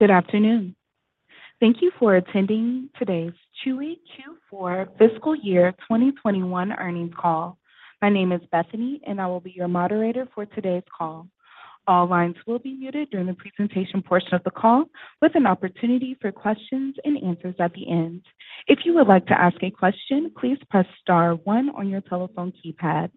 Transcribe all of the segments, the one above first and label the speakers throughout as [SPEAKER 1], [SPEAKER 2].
[SPEAKER 1] Good afternoon. Thank you for attending today's Chewy Q4 fiscal year 2021 earnings call. My name is Bethany, and I will be your moderator for today's call. All lines will be muted during the presentation portion of the call with an opportunity for questions and answers at the end. If you would like to ask a question, please press star one on your telephone keypad.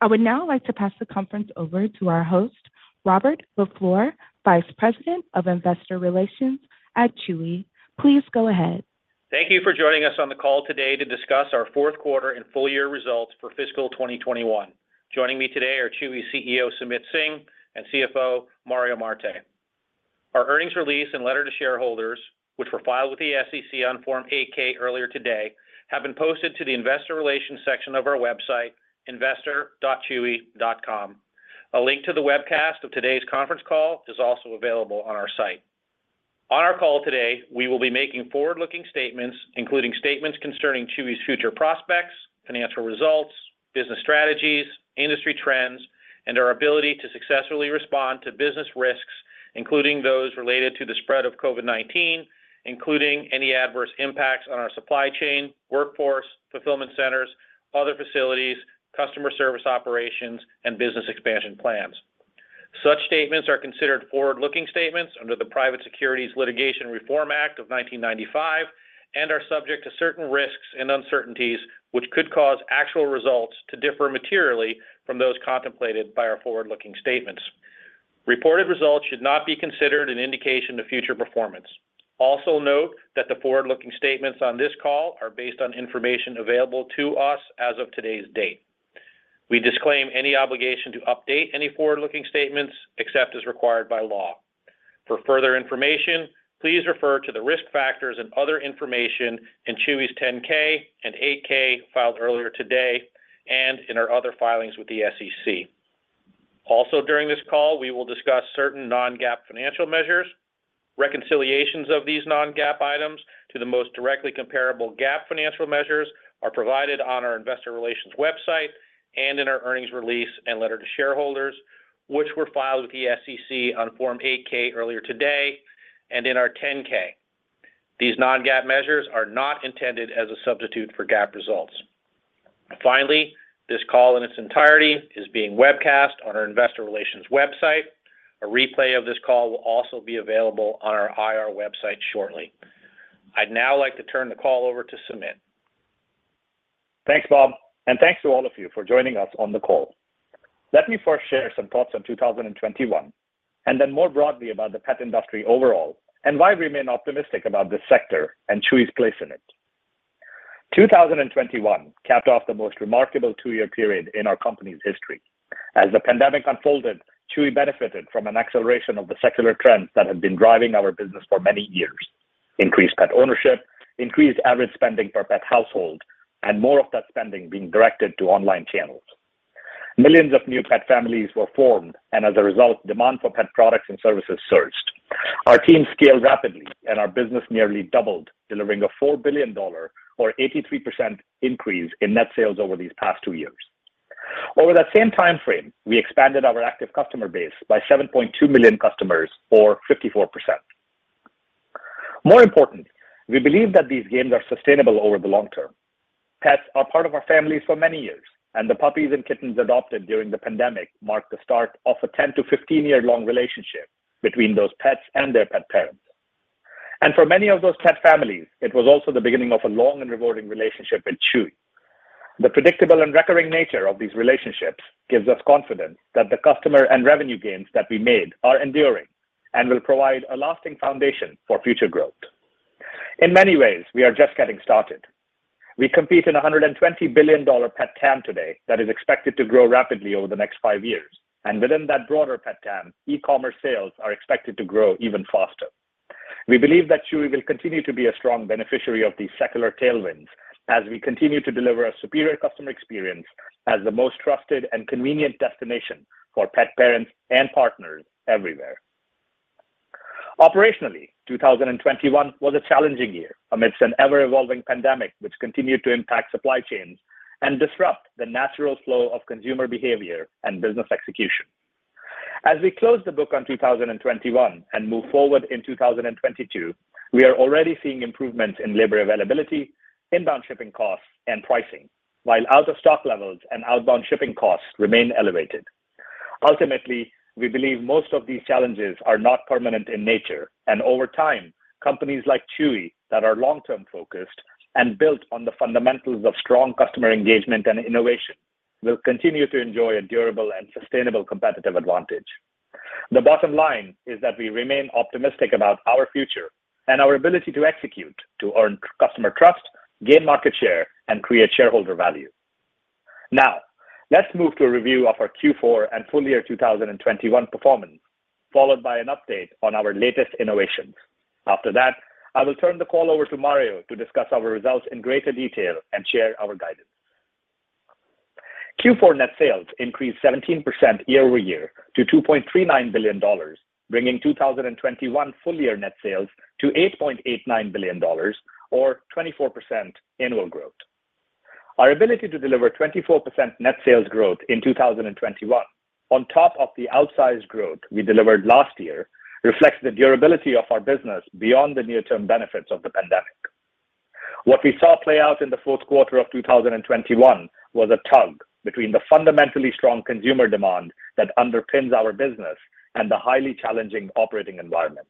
[SPEAKER 1] I would now like to pass the conference over to our host, Robert LaFleur, Vice President of Investor Relations at Chewy. Please go ahead.
[SPEAKER 2] Thank you for joining us on the call today to discuss our fourth quarter and full year results for fiscal 2021. Joining me today are Chewy CEO, Sumit Singh, and CFO, Mario Marte. Our earnings release and letter to shareholders, which were filed with the SEC on Form 8-K earlier today, have been posted to the investor relations section of our website, investor.chewy.com. A link to the webcast of today's conference call is also available on our site. On our call today, we will be making forward-looking statements, including statements concerning Chewy's future prospects, financial results, business strategies, industry trends, and our ability to successfully respond to business risks, including those related to the spread of COVID-19, including any adverse impacts on our supply chain, workforce, fulfillment centers, other facilities, customer service operations, and business expansion plans. Such statements are considered forward-looking statements under the Private Securities Litigation Reform Act of 1995 and are subject to certain risks and uncertainties which could cause actual results to differ materially from those contemplated by our forward-looking statements. Reported results should not be considered an indication of future performance. Also note that the forward-looking statements on this call are based on information available to us as of today's date. We disclaim any obligation to update any forward-looking statements except as required by law. For further information, please refer to the risk factors and other information in Chewy's 10-K and 8-K filed earlier today and in our other filings with the SEC. Also during this call, we will discuss certain non-GAAP financial measures. Reconciliations of these non-GAAP items to the most directly comparable GAAP financial measures are provided on our investor relations website and in our earnings release and letter to shareholders, which were filed with the SEC on Form 8-K earlier today and in our 10-K. These non-GAAP measures are not intended as a substitute for GAAP results. Finally, this call in its entirety is being webcast on our investor relations website. A replay of this call will also be available on our IR website shortly. I'd now like to turn the call over to Sumit.
[SPEAKER 3] Thanks, Bob, and thanks to all of you for joining us on the call. Let me first share some thoughts on 2021, and then more broadly about the pet industry overall and why we remain optimistic about this sector and Chewy's place in it. 2021 capped off the most remarkable two-year period in our company's history. As the pandemic unfolded, Chewy benefited from an acceleration of the secular trends that had been driving our business for many years. Increased pet ownership, increased average spending per pet household, and more of that spending being directed to online channels. Millions of new pet families were formed, and as a result, demand for pet products and services surged. Our team scaled rapidly, and our business nearly doubled, delivering a $4 billion or 83% increase in net sales over these past two years. Over that same time frame, we expanded our active customer base by 7.2 million customers or 54%. More important, we believe that these gains are sustainable over the long term. Pets are part of our families for many years, and the puppies and kittens adopted during the pandemic marked the start of a 10-15 year-long relationship between those pets and their pet parents. For many of those pet families, it was also the beginning of a long and rewarding relationship with Chewy. The predictable and recurring nature of these relationships gives us confidence that the customer and revenue gains that we made are enduring and will provide a lasting foundation for future growth. In many ways, we are just getting started. We compete in a $120 billion pet TAM today that is expected to grow rapidly over the next five years. Within that broader pet TAM, e-commerce sales are expected to grow even faster. We believe that Chewy will continue to be a strong beneficiary of these secular tailwinds as we continue to deliver a superior customer experience as the most trusted and convenient destination for pet parents and partners everywhere. Operationally, 2021 was a challenging year amidst an ever-evolving pandemic which continued to impact supply chains and disrupt the natural flow of consumer behavior and business execution. As we close the book on 2021 and move forward in 2022, we are already seeing improvements in labor availability, inbound shipping costs, and pricing. While out-of-stock levels and outbound shipping costs remain elevated. Ultimately, we believe most of these challenges are not permanent in nature, and over time, companies like Chewy that are long-term focused and built on the fundamentals of strong customer engagement and innovation will continue to enjoy a durable and sustainable competitive advantage. The bottom line is that we remain optimistic about our future and our ability to execute to earn customer trust, gain market share, and create shareholder value. Now, let's move to a review of our Q4 and full year 2021 performance, followed by an update on our latest innovations. After that, I will turn the call over to Mario to discuss our results in greater detail and share our guidance. Q4 net sales increased 17% year-over-year to $2.39 billion, bringing 2021 full year net sales to $8.89 billion or 24% annual growth. Our ability to deliver 24% net sales growth in 2021 on top of the outsized growth we delivered last year reflects the durability of our business beyond the near-term benefits of the pandemic. What we saw play out in the fourth quarter of 2021 was a tug between the fundamentally strong consumer demand that underpins our business and the highly challenging operating environment.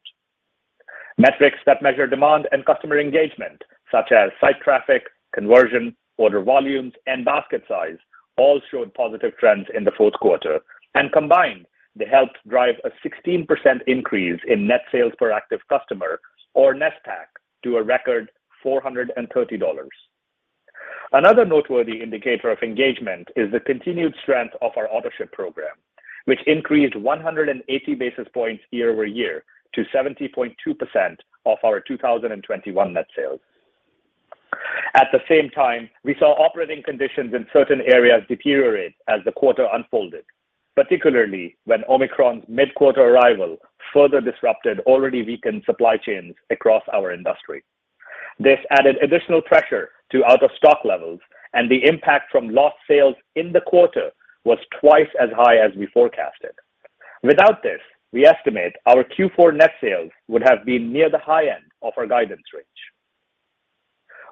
[SPEAKER 3] Metrics that measure demand and customer engagement, such as site traffic, conversion, order volumes, and basket size, all showed positive trends in the fourth quarter. Combined, they helped drive a 16% increase in net sales per active customer or NSPAC to a record $430. Another noteworthy indicator of engagement is the continued strength of our Autoship program, which increased 180 basis points year-over-year to 70.2% of our 2021 net sales. At the same time, we saw operating conditions in certain areas deteriorate as the quarter unfolded, particularly when Omicron's mid-quarter arrival further disrupted already weakened supply chains across our industry. This added additional pressure to out-of-stock levels, and the impact from lost sales in the quarter was twice as high as we forecasted. Without this, we estimate our Q4 net sales would have been near the high end of our guidance range.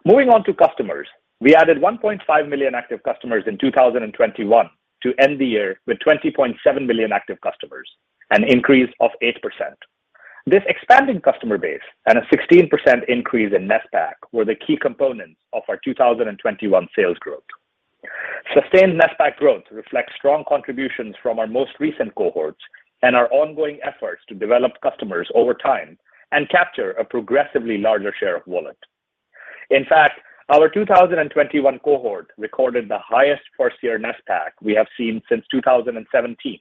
[SPEAKER 3] Moving on to customers, we added 1.5 million active customers in 2021 to end the year with 20.7 million active customers, an increase of 8%. This expanding customer base and a 16% increase in NSPAC were the key components of our 2021 sales growth. Sustained NSPAC growth reflects strong contributions from our most recent cohorts and our ongoing efforts to develop customers over time and capture a progressively larger share of wallet. In fact, our 2021 cohort recorded the highest first-year NSPAC we have seen since 2017.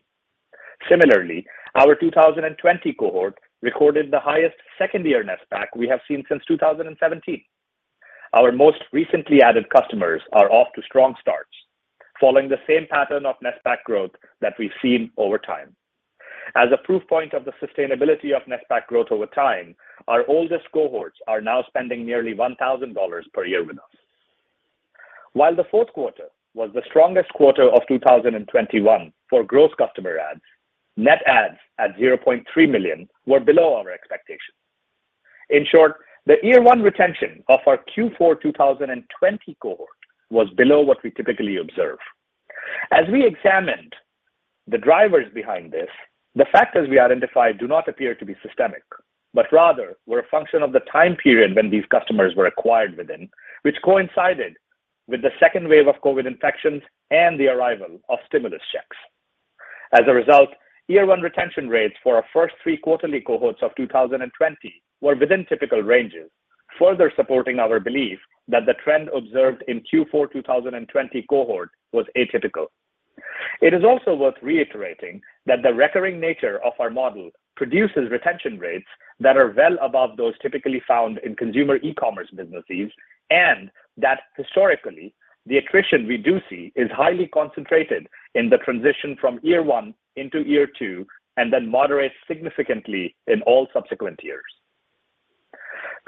[SPEAKER 3] Similarly, our 2020 cohort recorded the highest second-year NSPAC we have seen since 2017. Our most recently added customers are off to strong starts following the same pattern of NSPAC growth that we've seen over time. As a proof point of the sustainability of NSPAC growth over time, our oldest cohorts are now spending nearly $1,000 per year with us. While the fourth quarter was the strongest quarter of 2021 for gross customer adds, net adds at 0.3 million were below our expectations. In short, the year one retention of our Q4 2020 cohort was below what we typically observe. As we examined the drivers behind this, the factors we identified do not appear to be systemic, but rather were a function of the time period when these customers were acquired within, which coincided with the second wave of COVID infections and the arrival of stimulus checks. As a result, year one retention rates for our first three quarterly cohorts of 2020 were within typical ranges, further supporting our belief that the trend observed in Q4 2020 cohort was atypical. It is also worth reiterating that the recurring nature of our model produces retention rates that are well above those typically found in consumer e-commerce businesses, and that historically, the attrition we do see is highly concentrated in the transition from year one into year two, and then moderates significantly in all subsequent years.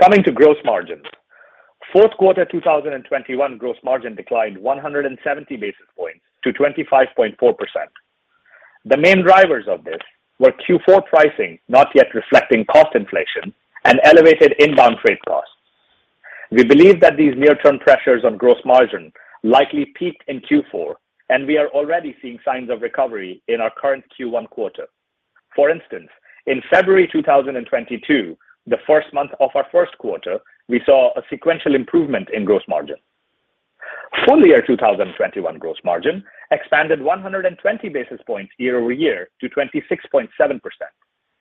[SPEAKER 3] Coming to gross margins. Fourth quarter 2021 gross margin declined 170 basis points to 25.4%. The main drivers of this were Q4 pricing, not yet reflecting cost inflation and elevated inbound freight costs. We believe that these near-term pressures on gross margin likely peaked in Q4, and we are already seeing signs of recovery in our current Q1 quarter. For instance, in February 2022, the first month of our first quarter, we saw a sequential improvement in gross margin. Full year 2021 gross margin expanded 120 basis points year-over-year to 26.7%,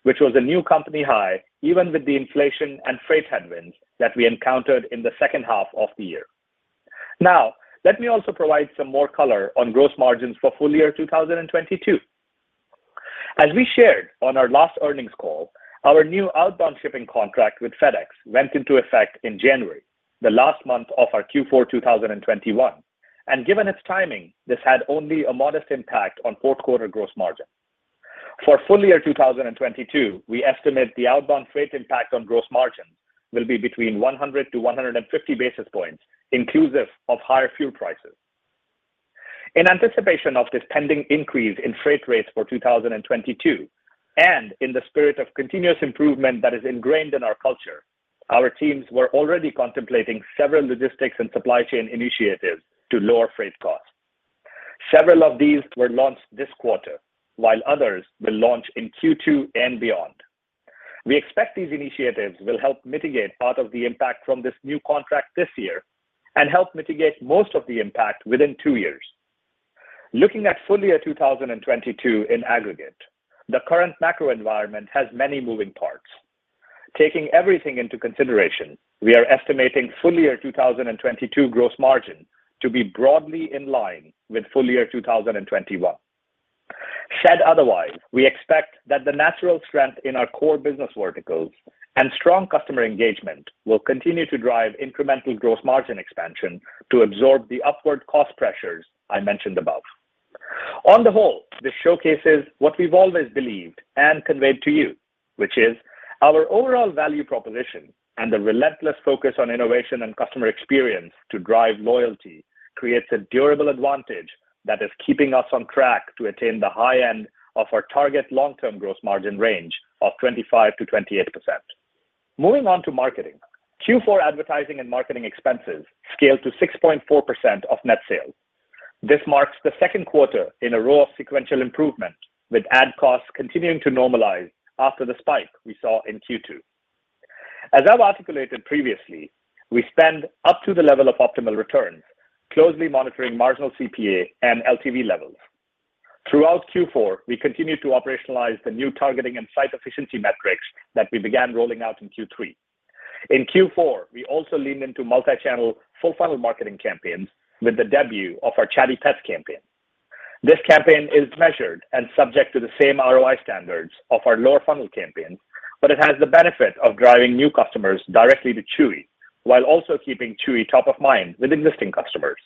[SPEAKER 3] which was a new company high, even with the inflation and freight headwinds that we encountered in the second half of the year. Now, let me also provide some more color on gross margins for full year 2022. As we shared on our last earnings call, our new outbound shipping contract with FedEx went into effect in January, the last month of our Q4 2021. Given its timing, this had only a modest impact on fourth quarter gross margin. For full year 2022, we estimate the outbound freight impact on gross margin will be between 100-150 basis points, inclusive of higher fuel prices. In anticipation of this pending increase in freight rates for 2022, and in the spirit of continuous improvement that is ingrained in our culture, our teams were already contemplating several logistics and supply chain initiatives to lower freight costs. Several of these were launched this quarter, while others will launch in Q2 and beyond. We expect these initiatives will help mitigate part of the impact from this new contract this year and help mitigate most of the impact within two years. Looking at full year 2022 in aggregate, the current macro environment has many moving parts. Taking everything into consideration, we are estimating full year 2022 gross margin to be broadly in line with full year 2021. Said otherwise, we expect that the natural strength in our core business verticals and strong customer engagement will continue to drive incremental gross margin expansion to absorb the upward cost pressures I mentioned above. On the whole, this showcases what we've always believed and conveyed to you which is our overall value proposition and the relentless focus on innovation and customer experience to drive loyalty creates a durable advantage that is keeping us on track to attain the high end of our target long-term gross margin range of 25%-28%. Moving on to marketing. Q4 advertising and marketing expenses scaled to 6.4% of net sales. This marks the second quarter in a row of sequential improvement with ad costs continuing to normalize after the spike we saw in Q2. As I've articulated previously, we spend up to the level of optimal returns, closely monitoring marginal CPA and LTV levels. Throughout Q4, we continued to operationalize the new targeting and site efficiency metrics that we began rolling out in Q3. In Q4, we also leaned into multichannel full funnel marketing campaigns with the debut of our Chatty Pets campaign. This campaign is measured and subject to the same ROI standards of our lower funnel campaigns, but it has the benefit of driving new customers directly to Chewy while also keeping Chewy top of mind with existing customers.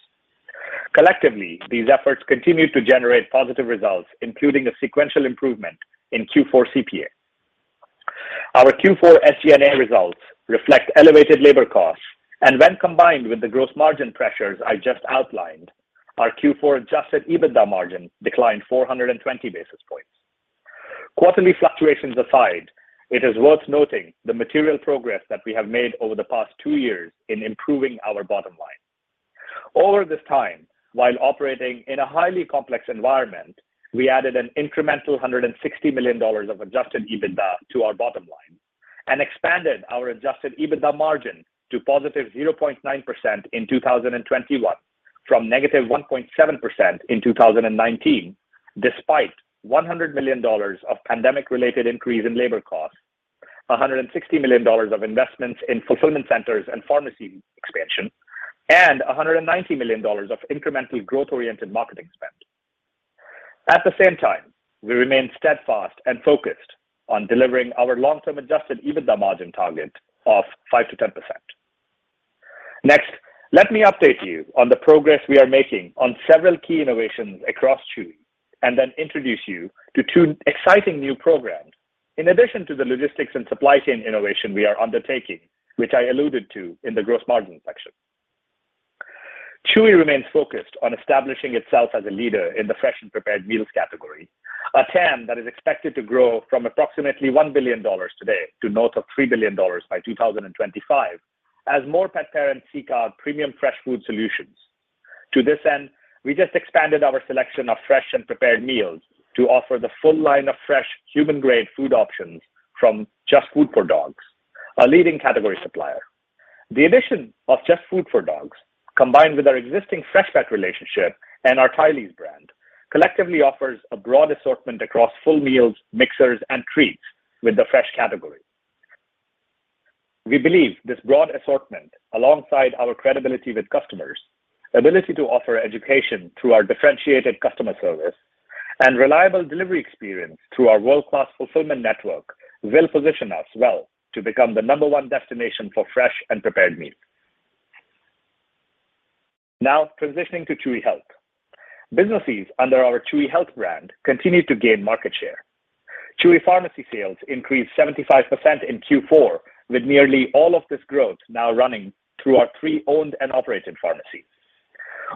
[SPEAKER 3] Collectively, these efforts continue to generate positive results, including a sequential improvement in Q4 CPA. Our Q4 SG&A results reflect elevated labor costs and when combined with the gross margin pressures I just outlined, our Q4 adjusted EBITDA margin declined 420 basis points. Quarterly fluctuations aside, it is worth noting the material progress that we have made over the past two years in improving our bottom line. Over this time, while operating in a highly complex environment, we added an incremental $160 million of adjusted EBITDA to our bottom line and expanded our adjusted EBITDA margin to +0.9% in 2021 from -1.7% in 2019, despite $100 million of pandemic-related increase in labor costs, $160 million of investments in fulfillment centers and pharmacy expansion, and $190 million of incremental growth-oriented marketing spend. At the same time, we remain steadfast and focused on delivering our long-term adjusted EBITDA margin target of 5%-10%. Next, let me update you on the progress we are making on several key innovations across Chewy and then introduce you to two exciting new programs. In addition to the logistics and supply chain innovation we are undertaking, which I alluded to in the gross margin section, Chewy remains focused on establishing itself as a leader in the fresh and prepared meals category, a TAM that is expected to grow from approximately $1 billion today to north of $3 billion by 2025 as more pet parents seek out premium fresh food solutions. To this end, we just expanded our selection of fresh and prepared meals to offer the full line of fresh human grade food options from JustFoodForDogs, a leading category supplier. The addition of JustFoodForDogs, combined with our existing Freshpet relationship and our Tylee's brand, collectively offers a broad assortment across full meals, mixers, and treats with the fresh category. We believe this broad assortment, alongside our credibility with customers, ability to offer education through our differentiated customer service, and reliable delivery experience through our world-class fulfillment network will position us well to become the number one destination for fresh and prepared meals. Now, transitioning to Chewy Health. Businesses under our Chewy Health brand continue to gain market share. Chewy Pharmacy sales increased 75% in Q4 with nearly all of this growth now running through our three owned and operated pharmacies.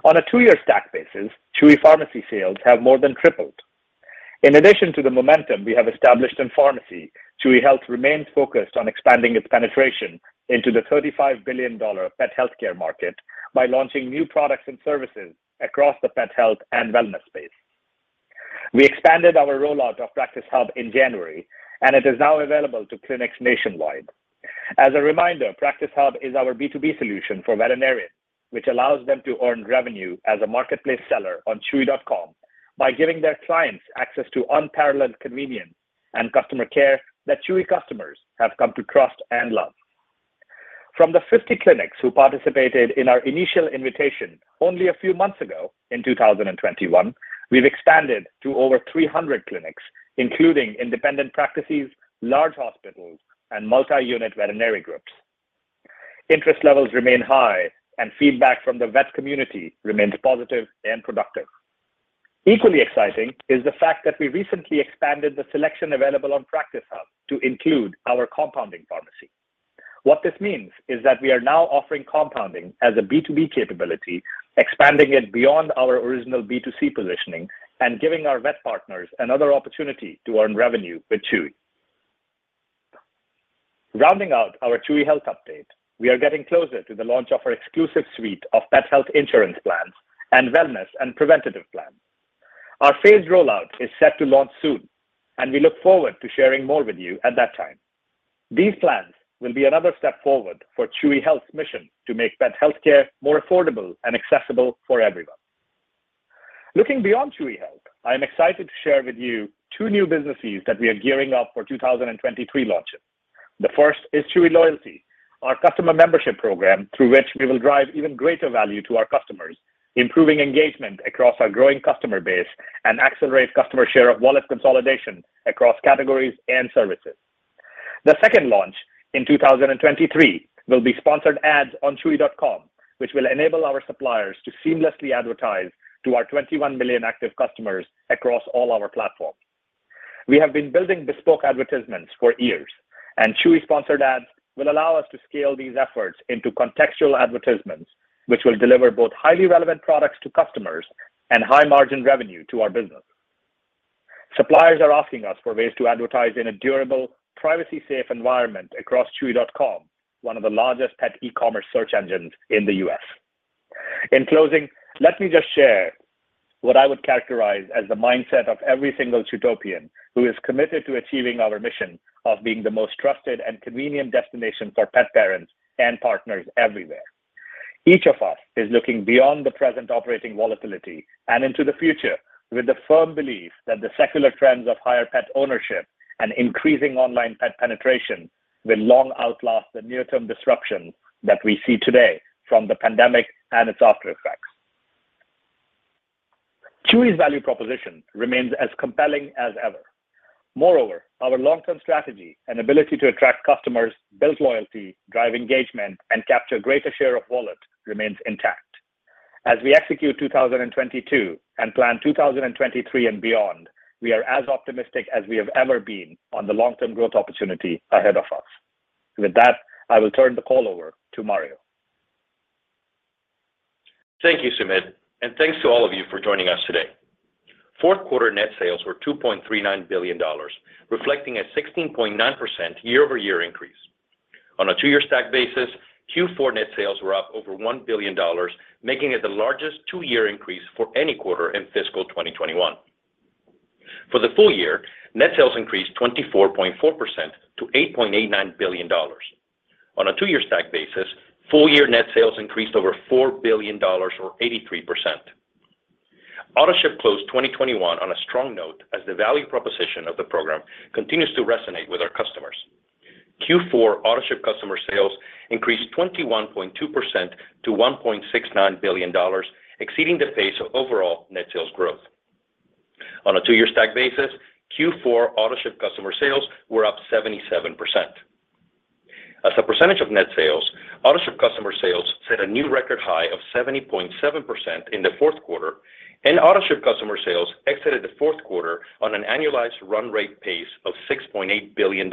[SPEAKER 3] On a two-year stack basis, Chewy Pharmacy sales have more than tripled. In addition to the momentum we have established in pharmacy, Chewy Health remains focused on expanding its penetration into the $35 billion pet healthcare market by launching new products and services across the pet health and wellness space. We expanded our rollout of PracticeHub in January, and it is now available to clinics nationwide. As a reminder, PracticeHub is our B2B solution for veterinarians, which allows them to earn revenue as a marketplace seller on chewy.com by giving their clients access to unparalleled convenience and customer care that Chewy customers have come to trust and love. From the 50 clinics who participated in our initial invitation only a few months ago in 2021, we've expanded to over 300 clinics, including independent practices, large hospitals, and multi-unit veterinary groups. Interest levels remain high, and feedback from the vet community remains positive and productive. Equally exciting is the fact that we recently expanded the selection available on PracticeHub to include our compounding pharmacy. What this means is that we are now offering compounding as a B2B capability, expanding it beyond our original B2C positioning and giving our vet partners another opportunity to earn revenue with Chewy. Rounding out our Chewy Health update, we are getting closer to the launch of our exclusive suite of pet health insurance plans and wellness and preventative plans. Our phased rollout is set to launch soon, and we look forward to sharing more with you at that time. These plans will be another step forward for Chewy Health's mission to make pet healthcare more affordable and accessible for everyone. Looking beyond Chewy Health, I am excited to share with you two new businesses that we are gearing up for 2023 launches. The first is Chewy Loyalty, our customer membership program through which we will drive even greater value to our customers, improving engagement across our growing customer base and accelerate customer share of wallet consolidation across categories and services. The second launch in 2023 will be Sponsored Ads on chewy.com, which will enable our suppliers to seamlessly advertise to our 21 million active customers across all our platforms. We have been building bespoke advertisements for years, and Chewy Sponsored Ads will allow us to scale these efforts into contextual advertisements, which will deliver both highly relevant products to customers and high margin revenue to our business. Suppliers are asking us for ways to advertise in a durable, privacy safe environment across chewy.com, one of the largest pet e-commerce search engines in the U.S. In closing, let me just share what I would characterize as the mindset of every single Chewtopian who is committed to achieving our mission of being the most trusted and convenient destination for pet parents and partners everywhere. Each of us is looking beyond the present operating volatility and into the future with the firm belief that the secular trends of higher pet ownership and increasing online pet penetration will long outlast the near-term disruption that we see today from the pandemic and its after effects. Chewy's value proposition remains as compelling as ever. Moreover, our long-term strategy and ability to attract customers, build loyalty, drive engagement, and capture greater share of wallet remains intact. As we execute 2022 and plan 2023 and beyond, we are as optimistic as we have ever been on the long-term growth opportunity ahead of us. With that, I will turn the call over to Mario.
[SPEAKER 4] Thank you, Sumit, and thanks to all of you for joining us today. Q4 net sales were $2.39 billion, reflecting a 16.9% year-over-year increase. On a two-year stack basis, Q4 net sales were up over $1 billion, making it the largest two-year increase for any quarter in fiscal 2021. For the full year, net sales increased 24.4% to $8.89 billion. On a two-year stack basis, full year net sales increased over $4 billion or 83%. Autoship closed 2021 on a strong note as the value proposition of the program continues to resonate with our customers. Q4 Autoship customer sales increased 21.2% to $1.69 billion, exceeding the pace of overall net sales growth. On a two-year stack basis, Q4 Autoship customer sales were up 77%. As a percentage of net sales, Autoship customer sales set a new record high of 70.7% in the fourth quarter, and Autoship customer sales exited the fourth quarter on an annualized run rate pace of $6.8 billion,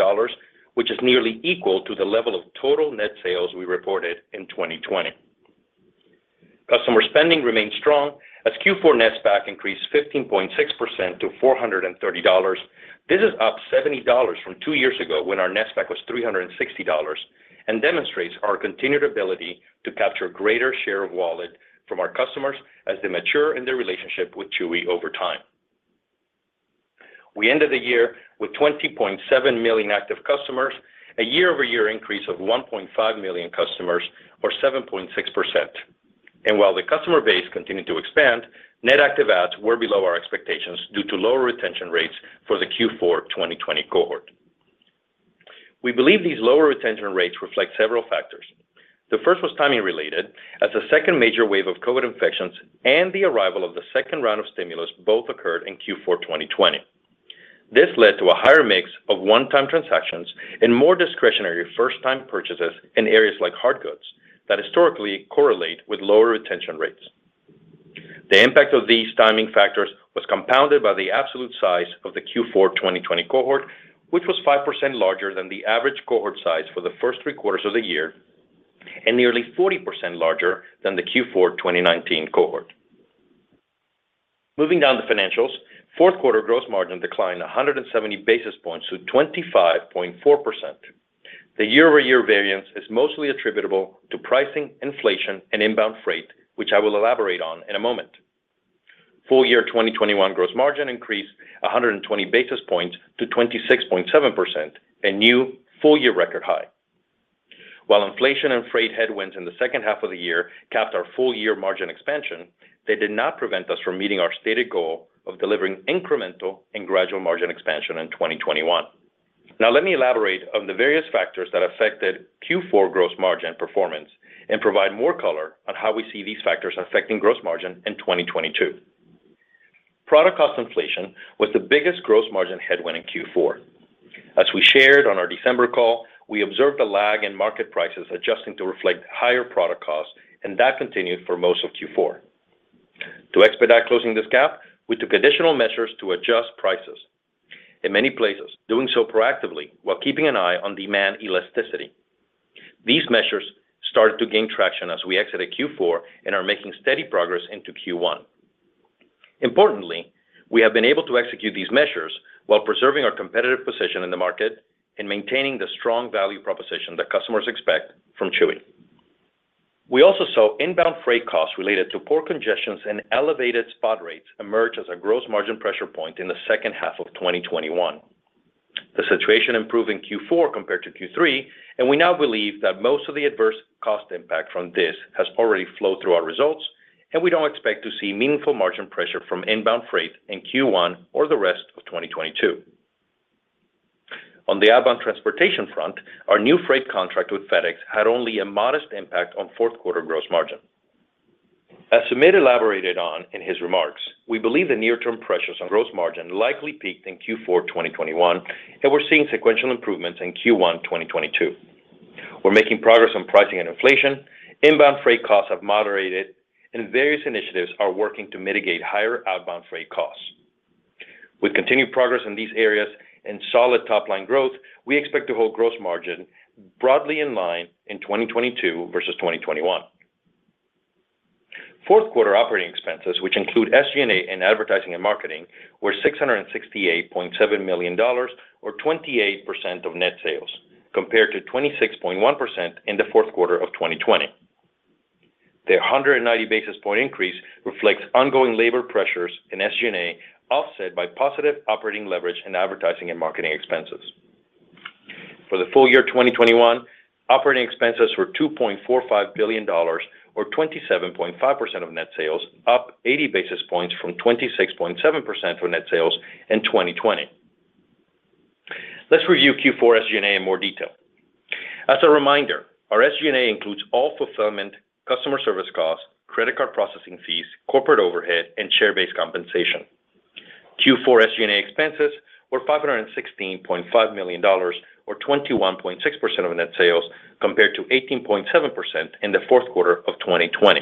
[SPEAKER 4] which is nearly equal to the level of total net sales we reported in 2020. Customer spending remained strong as Q4 NSPAC increased 15.6% to $430. This is up $70 from two years ago when our NSPAC was $360 and demonstrates our continued ability to capture greater share of wallet from our customers as they mature in their relationship with Chewy over time. We ended the year with 20.7 million active customers, a year-over-year increase of 1.5 million customers or 7.6%. While the customer base continued to expand, net active adds were below our expectations due to lower retention rates for the Q4 2020 cohort. We believe these lower retention rates reflect several factors. The first was timing-related, as the second major wave of COVID infections and the arrival of the second round of stimulus both occurred in Q4 2020. This led to a higher mix of one-time transactions and more discretionary first-time purchases in areas like hard goods that historically correlate with lower retention rates. The impact of these timing factors was compounded by the absolute size of the Q4 2020 cohort, which was 5% larger than the average cohort size for the first three quarters of the year and nearly 40% larger than the Q4 2019 cohort. Moving down the financials, fourth quarter gross margin declined 170 basis points to 25.4%. The year-over-year variance is mostly attributable to pricing, inflation, and inbound freight, which I will elaborate on in a moment. Full year 2021 gross margin increased 120 basis points to 26.7%, a new full-year record high. While inflation and freight headwinds in the second half of the year capped our full year margin expansion, they did not prevent us from meeting our stated goal of delivering incremental and gradual margin expansion in 2021. Now, let me elaborate on the various factors that affected Q4 gross margin performance and provide more color on how we see these factors affecting gross margin in 2022. Product cost inflation was the biggest gross margin headwind in Q4. As we shared on our December call, we observed a lag in market prices adjusting to reflect higher product costs, and that continued for most of Q4. To expedite closing this gap, we took additional measures to adjust prices in many places, doing so proactively while keeping an eye on demand elasticity. These measures started to gain traction as we exited Q4 and are making steady progress into Q1. Importantly, we have been able to execute these measures while preserving our competitive position in the market and maintaining the strong value proposition that customers expect from Chewy. We also saw inbound freight costs related to port congestions and elevated spot rates emerge as a gross margin pressure point in the second half of 2021. The situation improved in Q4 compared to Q3, and we now believe that most of the adverse cost impact from this has already flowed through our results, and we don't expect to see meaningful margin pressure from inbound freight in Q1 or the rest of 2022. On the outbound transportation front, our new freight contract with FedEx had only a modest impact on fourth quarter gross margin. As Sumit elaborated on in his remarks, we believe the near term pressures on gross margin likely peaked in Q4 2021, and we're seeing sequential improvements in Q1 2022. We're making progress on pricing and inflation, inbound freight costs have moderated, and various initiatives are working to mitigate higher outbound freight costs. With continued progress in these areas and solid top-line growth, we expect to hold gross margin broadly in line in 2022 versus 2021. Fourth quarter operating expenses, which include SG&A and advertising and marketing, were $668.7 million or 28% of net sales, compared to 26.1% in the fourth quarter of 2020. The 190 basis point increase reflects ongoing labor pressures in SG&A, offset by positive operating leverage in advertising and marketing expenses. For the full year 2021, operating expenses were $2.45 billion, or 27.5% of net sales, up 80 basis points from 26.7% of net sales in 2020. Let's review Q4 SG&A in more detail. As a reminder, our SG&A includes all fulfillment, customer service costs, credit card processing fees, corporate overhead, and share-based compensation. Q4 SG&A expenses were $516.5 million or 21.6% of net sales, compared to 18.7% in the fourth quarter of 2020.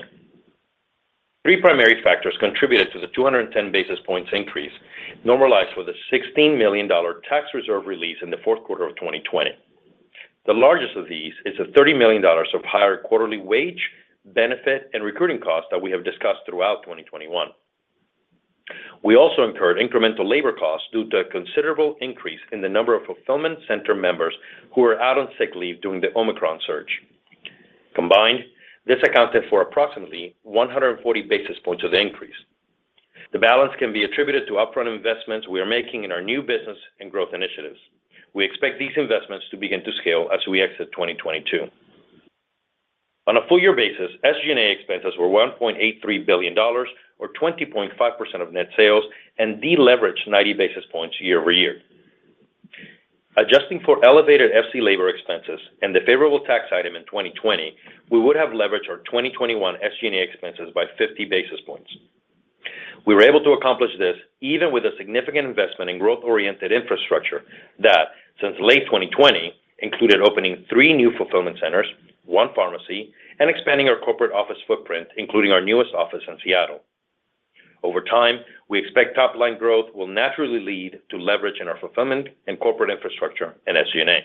[SPEAKER 4] Three primary factors contributed to the 210 basis points increase, normalized with a $16 million tax reserve release in the fourth quarter of 2020. The largest of these is the $30 million of higher quarterly wage, benefit, and recruiting costs that we have discussed throughout 2021. We also incurred incremental labor costs due to a considerable increase in the number of fulfillment center members who are out on sick leave during the Omicron surge. Combined, this accounted for approximately 140 basis points of the increase. The balance can be attributed to upfront investments we are making in our new business and growth initiatives. We expect these investments to begin to scale as we exit 2022. On a full year basis, SG&A expenses were $1.83 billion or 20.5% of net sales and deleveraged 90 basis points year-over-year. Adjusting for elevated FC labor expenses and the favorable tax item in 2020, we would have leveraged our 2021 SG&A expenses by 50 basis points. We were able to accomplish this even with a significant investment in growth-oriented infrastructure that, since late 2020, included opening new new fulfillment centers, one pharmacy, and expanding our corporate office footprint, including our newest office in Seattle. Over time, we expect top-line growth will naturally lead to leverage in our fulfillment and corporate infrastructure in SG&A.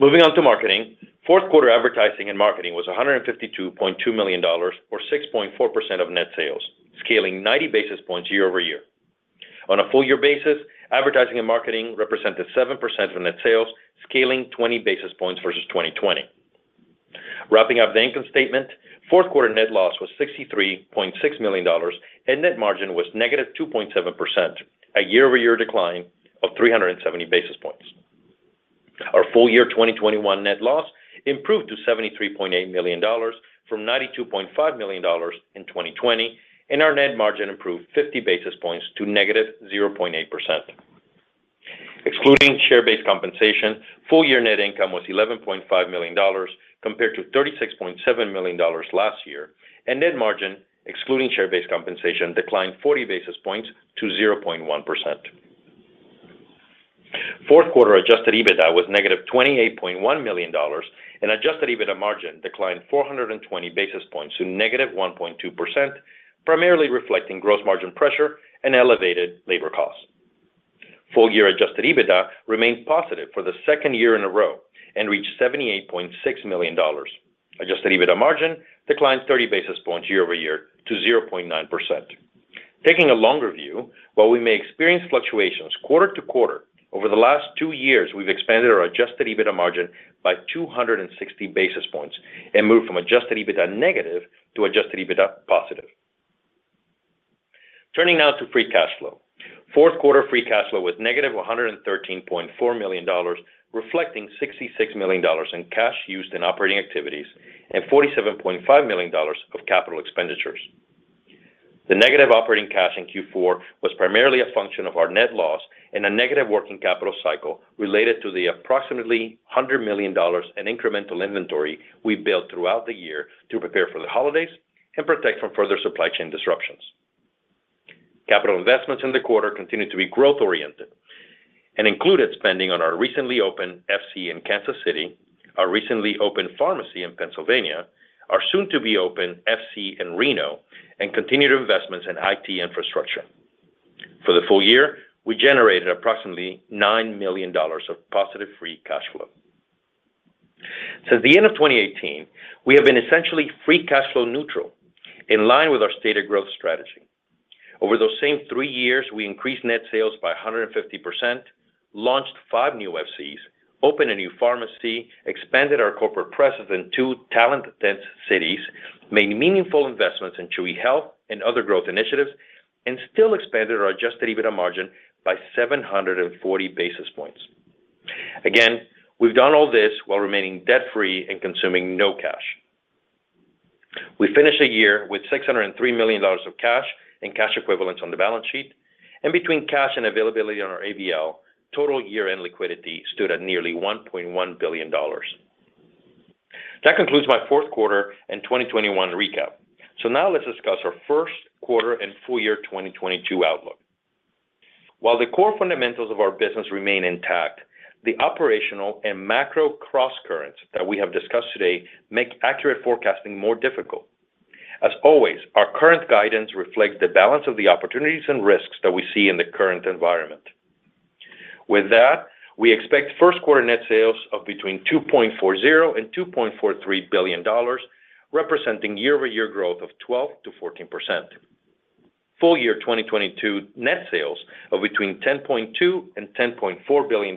[SPEAKER 4] Moving on to marketing. Fourth quarter advertising and marketing was $152.2 million or 6.4% of net sales, scaling 90 basis points year-over-year. On a full year basis, advertising and marketing represented 7% of net sales, scaling 20 basis points versus 2020. Wrapping up the income statement, fourth quarter net loss was $63.6 million, and net margin was -2.7%, a year-over-year decline of 370 basis points. Our full year 2021 net loss improved to $73.8 million from $92.5 million in 2020, and our net margin improved 50 basis points to -0.8%. Excluding share-based compensation, full year net income was $11.5 million compared to $36.7 million last year, and net margin, excluding share-based compensation, declined 40 basis points to 0.1%. Fourth quarter adjusted EBITDA was -$28.1 million, and adjusted EBITDA margin declined 420 basis points to -1.2%, primarily reflecting gross margin pressure and elevated labor costs. Full year adjusted EBITDA remains positive for the second year in a row and reached $78.6 million. Adjusted EBITDA margin declined 30 basis points year-over-year to 0.9%. Taking a longer view, while we may experience fluctuations quarter-to-quarter, over the last two years, we've expanded our adjusted EBITDA margin by 260 basis points and moved from adjusted EBITDA negative to adjusted EBITDA positive. Turning now to free cash flow. Fourth quarter free cash flow was -$113.4 million, reflecting $66 million in cash used in operating activities and $47.5 million of capital expenditures. The negative operating cash in Q4 was primarily a function of our net loss and a negative working capital cycle related to the approximately $100 million in incremental inventory we built throughout the year to prepare for the holidays and protect from further supply chain disruptions. Capital investments in the quarter continued to be growth-oriented and included spending on our recently opened FC in Kansas City, our recently opened pharmacy in Pennsylvania, our soon to be open FC in Reno, and continued investments in IT infrastructure. For the full year, we generated approximately $9 million of positive free cash flow. Since the end of 2018, we have been essentially free cash flow neutral in line with our stated growth strategy. Over those same three years, we increased net sales by 150%, launched five new FCs, opened a new pharmacy, expanded our corporate presence in two talent-dense cities, made meaningful investments in Chewy Health and other growth initiatives, and still expanded our adjusted EBITDA margin by 740 basis points. Again, we've done all this while remaining debt-free and consuming no cash. We finished the year with $603 million of cash and cash equivalents on the balance sheet. Between cash and availability on our ABL, total year-end liquidity stood at nearly $1.1 billion. That concludes my fourth quarter and 2021 recap. Now let's discuss our first quarter and full year 2022 outlook. While the core fundamentals of our business remain intact, the operational and macro crosscurrents that we have discussed today make accurate forecasting more difficult. As always, our current guidance reflects the balance of the opportunities and risks that we see in the current environment. With that, we expect first quarter net sales of between $2.40 billion-$2.43 billion, representing year-over-year growth of 12%-14%. Full year 2022 net sales of between $10.2 billion and $10.4 billion,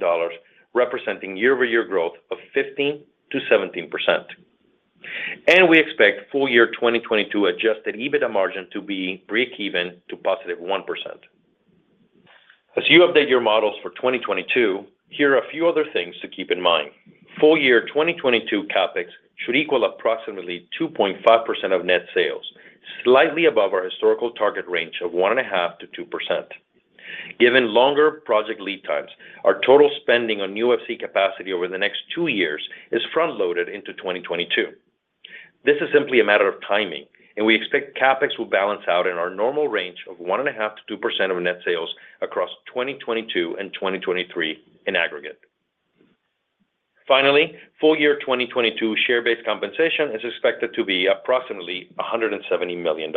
[SPEAKER 4] representing year-over-year growth of 15%-17%. We expect full year 2022 adjusted EBITDA margin to be breakeven to +1%. As you update your models for 2022, here are a few other things to keep in mind. Full year 2022 CapEx should equal approximately 2.5% of net sales, slightly above our historical target range of 1.5%-2%. Given longer project lead times, our total spending on new FC capacity over the next two years is front-loaded into 2022. This is simply a matter of timing, and we expect CapEx will balance out in our normal range of 1.5%-2% of net sales across 2022 and 2023 in aggregate. Finally, full year 2022 share-based compensation is expected to be approximately $170 million.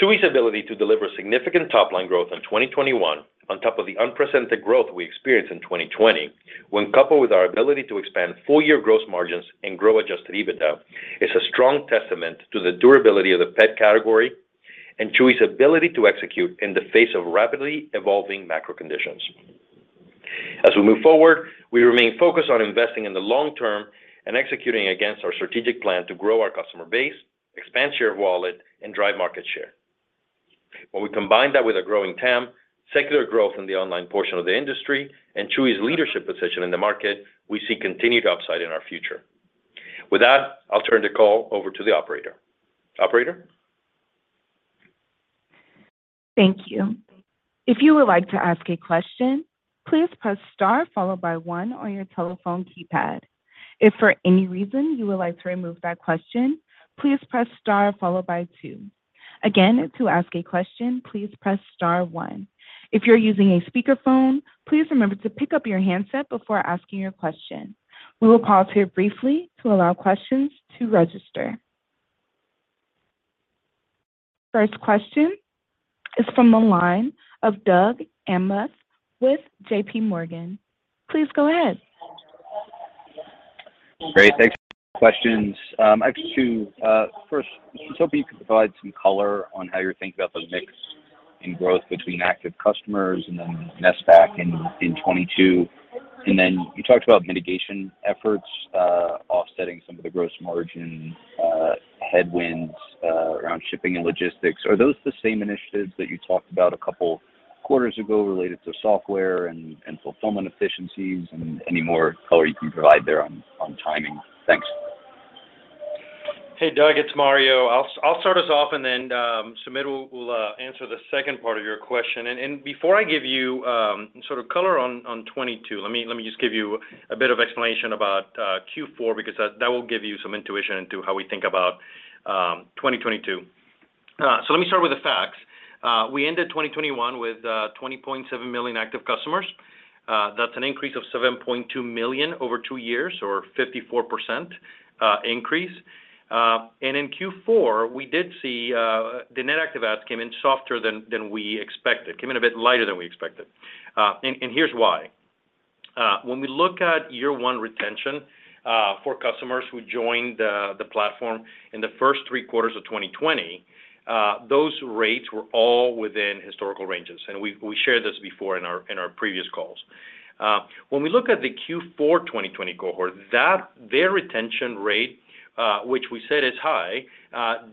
[SPEAKER 4] Chewy's ability to deliver significant top-line growth in 2021 on top of the unprecedented growth we experienced in 2020, when coupled with our ability to expand full-year gross margins and grow adjusted EBITDA, is a strong testament to the durability of the pet category and Chewy's ability to execute in the face of rapidly evolving macro conditions. As we move forward, we remain focused on investing in the long term and executing against our strategic plan to grow our customer base, expand share of wallet, and drive market share. When we combine that with a growing TAM, secular growth in the online portion of the industry, and Chewy's leadership position in the market, we see continued upside in our future. With that, I'll turn the call over to the operator. Operator?
[SPEAKER 1] Thank you. If you would like to ask a question, please press star followed by one on your telephone keypad. If for any reason you would like to remove that question, please press star followed by two. Again, to ask a question, please press star one. If you're using a speakerphone, please remember to pick up your handset before asking your question. We will pause here briefly to allow questions to register. First question is from the line of Doug Anmuth with JPMorgan. Please go ahead.
[SPEAKER 5] Great. Thanks for the questions. I have two. First, I was hoping you could provide some color on how you're thinking about the mix in growth between active customers and then NSPAC in 2022. Then you talked about mitigation efforts offsetting some of the gross margin headwinds around shipping and logistics. Are those the same initiatives that you talked about a couple quarters ago related to software and fulfillment efficiencies? Any more color you can provide there on timing? Thanks.
[SPEAKER 4] Hey, Doug. It's Mario. I'll start us off and then Sumit will answer the second part of your question. Before I give you sort of color on 2022, let me just give you a bit of explanation about Q4 because that will give you some intuition into how we think about 2022. Let me start with the facts. We ended 2021 with 20.7 million active customers. That's an increase of 7.2 million over two years or 54% increase. In Q4, we did see the net active adds came in softer than we expected, came in a bit lighter than we expected. Here's why. When we look at year one retention for customers who joined the platform in the first three quarters of 2020, those rates were all within historical ranges, and we shared this before in our previous calls. When we look at the Q4 2020 cohort, their retention rate, which we said is high,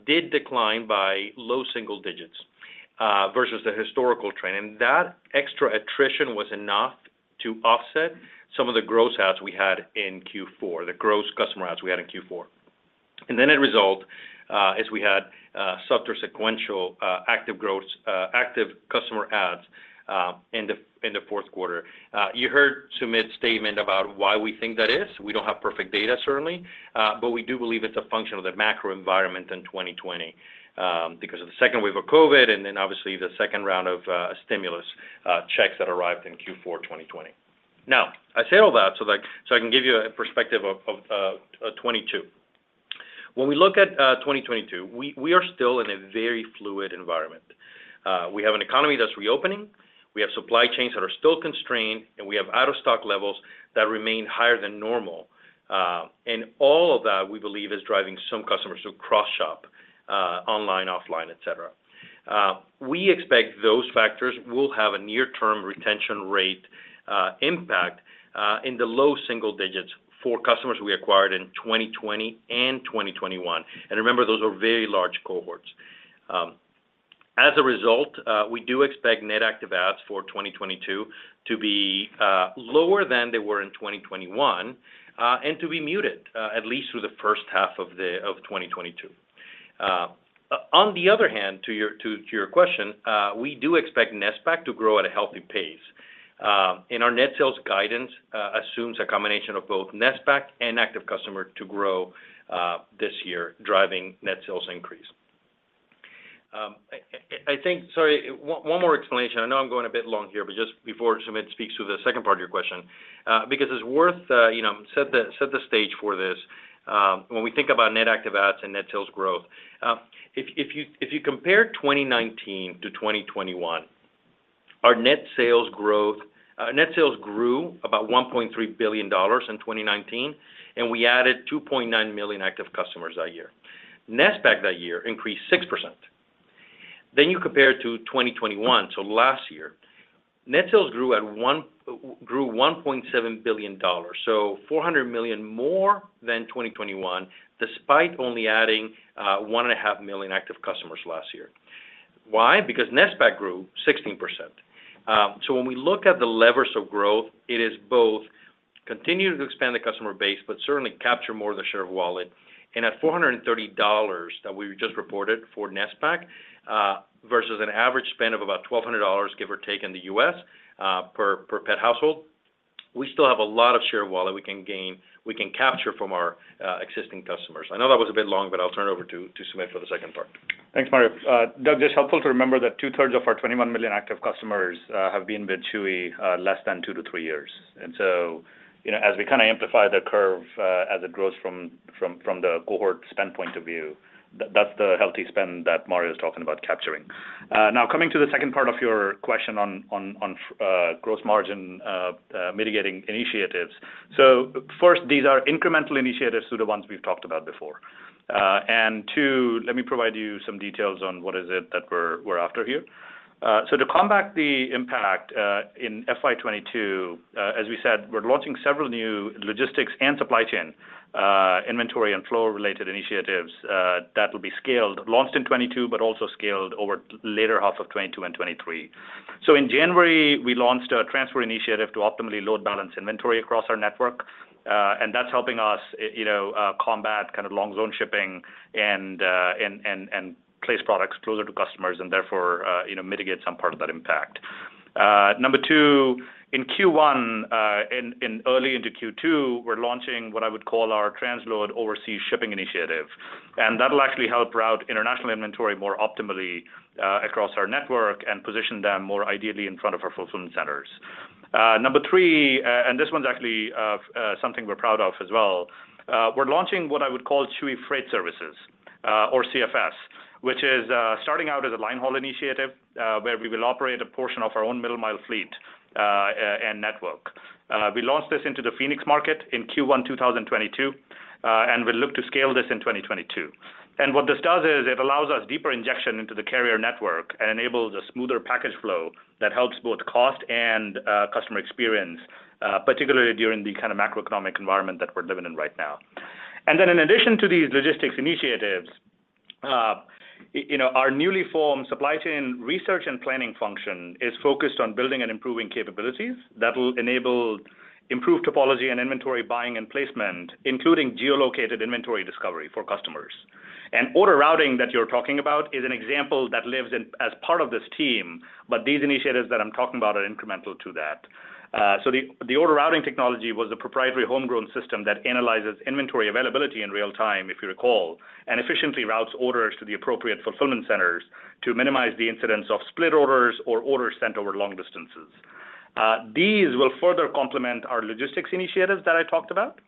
[SPEAKER 4] did decline by low single digits versus the historical trend. That extra attrition was enough to offset some of the gross customer adds we had in Q4. The net end result is we had softer sequential active growth, active customer adds in the fourth quarter. You heard Sumit’s statement about why we think that is. We don't have perfect data certainly, but we do believe it's a function of the macro environment in 2020, because of the second wave of COVID and then obviously the second round of stimulus checks that arrived in Q4 2020. Now, I say all that so that I can give you a perspective of 2022. When we look at 2022, we are still in a very fluid environment. We have an economy that's reopening, we have supply chains that are still constrained, and we have out-of-stock levels that remain higher than normal. All of that we believe is driving some customers to cross-shop online, offline, et cetera. We expect those factors will have a near-term retention rate impact in the low single digits for customers we acquired in 2020 and 2021. Remember, those are very large cohorts. As a result, we do expect net active adds for 2022 to be lower than they were in 2021 and to be muted at least through the first half of 2022. On the other hand, to your question, we do expect NSPAC to grow at a healthy pace. Our net sales guidance assumes a combination of both NSPAC and active customer to grow this year, driving net sales increase. I think. Sorry, one more explanation. I know I'm going a bit long here, but just before Sumit speaks to the second part of your question, because it's worth, you know, set the stage for this, when we think about net active adds and net sales growth. If you compare 2019 to 2021, our net sales growth. Net sales grew about $1.3 billion in 2019, and we added 2.9 million active customers that year. NSPAC that year increased 6%. Then you compare it to 2021, so last year. Net sales grew $1.7 billion, so $400 million more than 2021, despite only adding 1.5 million active customers last year. Why? Because NSPAC grew 16%. When we look at the levers of growth, it is both continuing to expand the customer base, but certainly capture more of the share of wallet. At $430 that we just reported for NSPAC, versus an average spend of about $1,200, give or take, in the U.S., per pet household, we still have a lot of share of wallet we can gain, we can capture from our existing customers. I know that was a bit long, but I'll turn it over to Sumit for the second part.
[SPEAKER 3] Thanks, Mario. Doug, it's helpful to remember that 2/3 of our 21 million active customers have been with Chewy less than two to three years. You know, as we kind of amplify the curve as it grows from the cohort standpoint of view, that's the healthy spend that Mario is talking about capturing. Now coming to the second part of your question on gross margin mitigating initiatives. First, these are incremental initiatives to the ones we've talked about before. Two, let me provide you some details on what it is that we're after here. To combat the impact in FY 2022, as we said, we're launching several new logistics and supply chain inventory and flow related initiatives that will be scaled, launched in 2022, but also scaled over later half of 2022 and 2023. In January, we launched a transfer initiative to optimally load balance inventory across our network, and that's helping us, you know, combat kind of long zone shipping and place products closer to customers and therefore, you know, mitigate some part of that impact. Number two, in Q1 in early into Q2, we're launching what I would call our transload overseas shipping initiative, and that'll actually help route international inventory more optimally across our network and position them more ideally in front of our fulfillment centers. Number three, and this one's actually something we're proud of as well. We're launching what I would call Chewy Freight Services, or CFS, which is starting out as a line haul initiative, where we will operate a portion of our own middle mile fleet and network. We launched this into the Phoenix market in Q1 2022, and we look to scale this in 2022. What this does is it allows us deeper injection into the carrier network and enables a smoother package flow that helps both cost and customer experience, particularly during the kind of macroeconomic environment that we're living in right now. In addition to these logistics initiatives, you know, our newly formed supply chain research and planning function is focused on building and improving capabilities that will enable improved topology and inventory buying and placement, including geolocated inventory discovery for customers. Order routing that you're talking about is an example that lives in, as part of this team, but these initiatives that I'm talking about are incremental to that. The order routing technology was a proprietary homegrown system that analyzes inventory availability in real time, if you recall, and efficiently routes orders to the appropriate fulfillment centers to minimize the incidence of split orders or orders sent over long distances. These will further complement our logistics initiatives that I talked about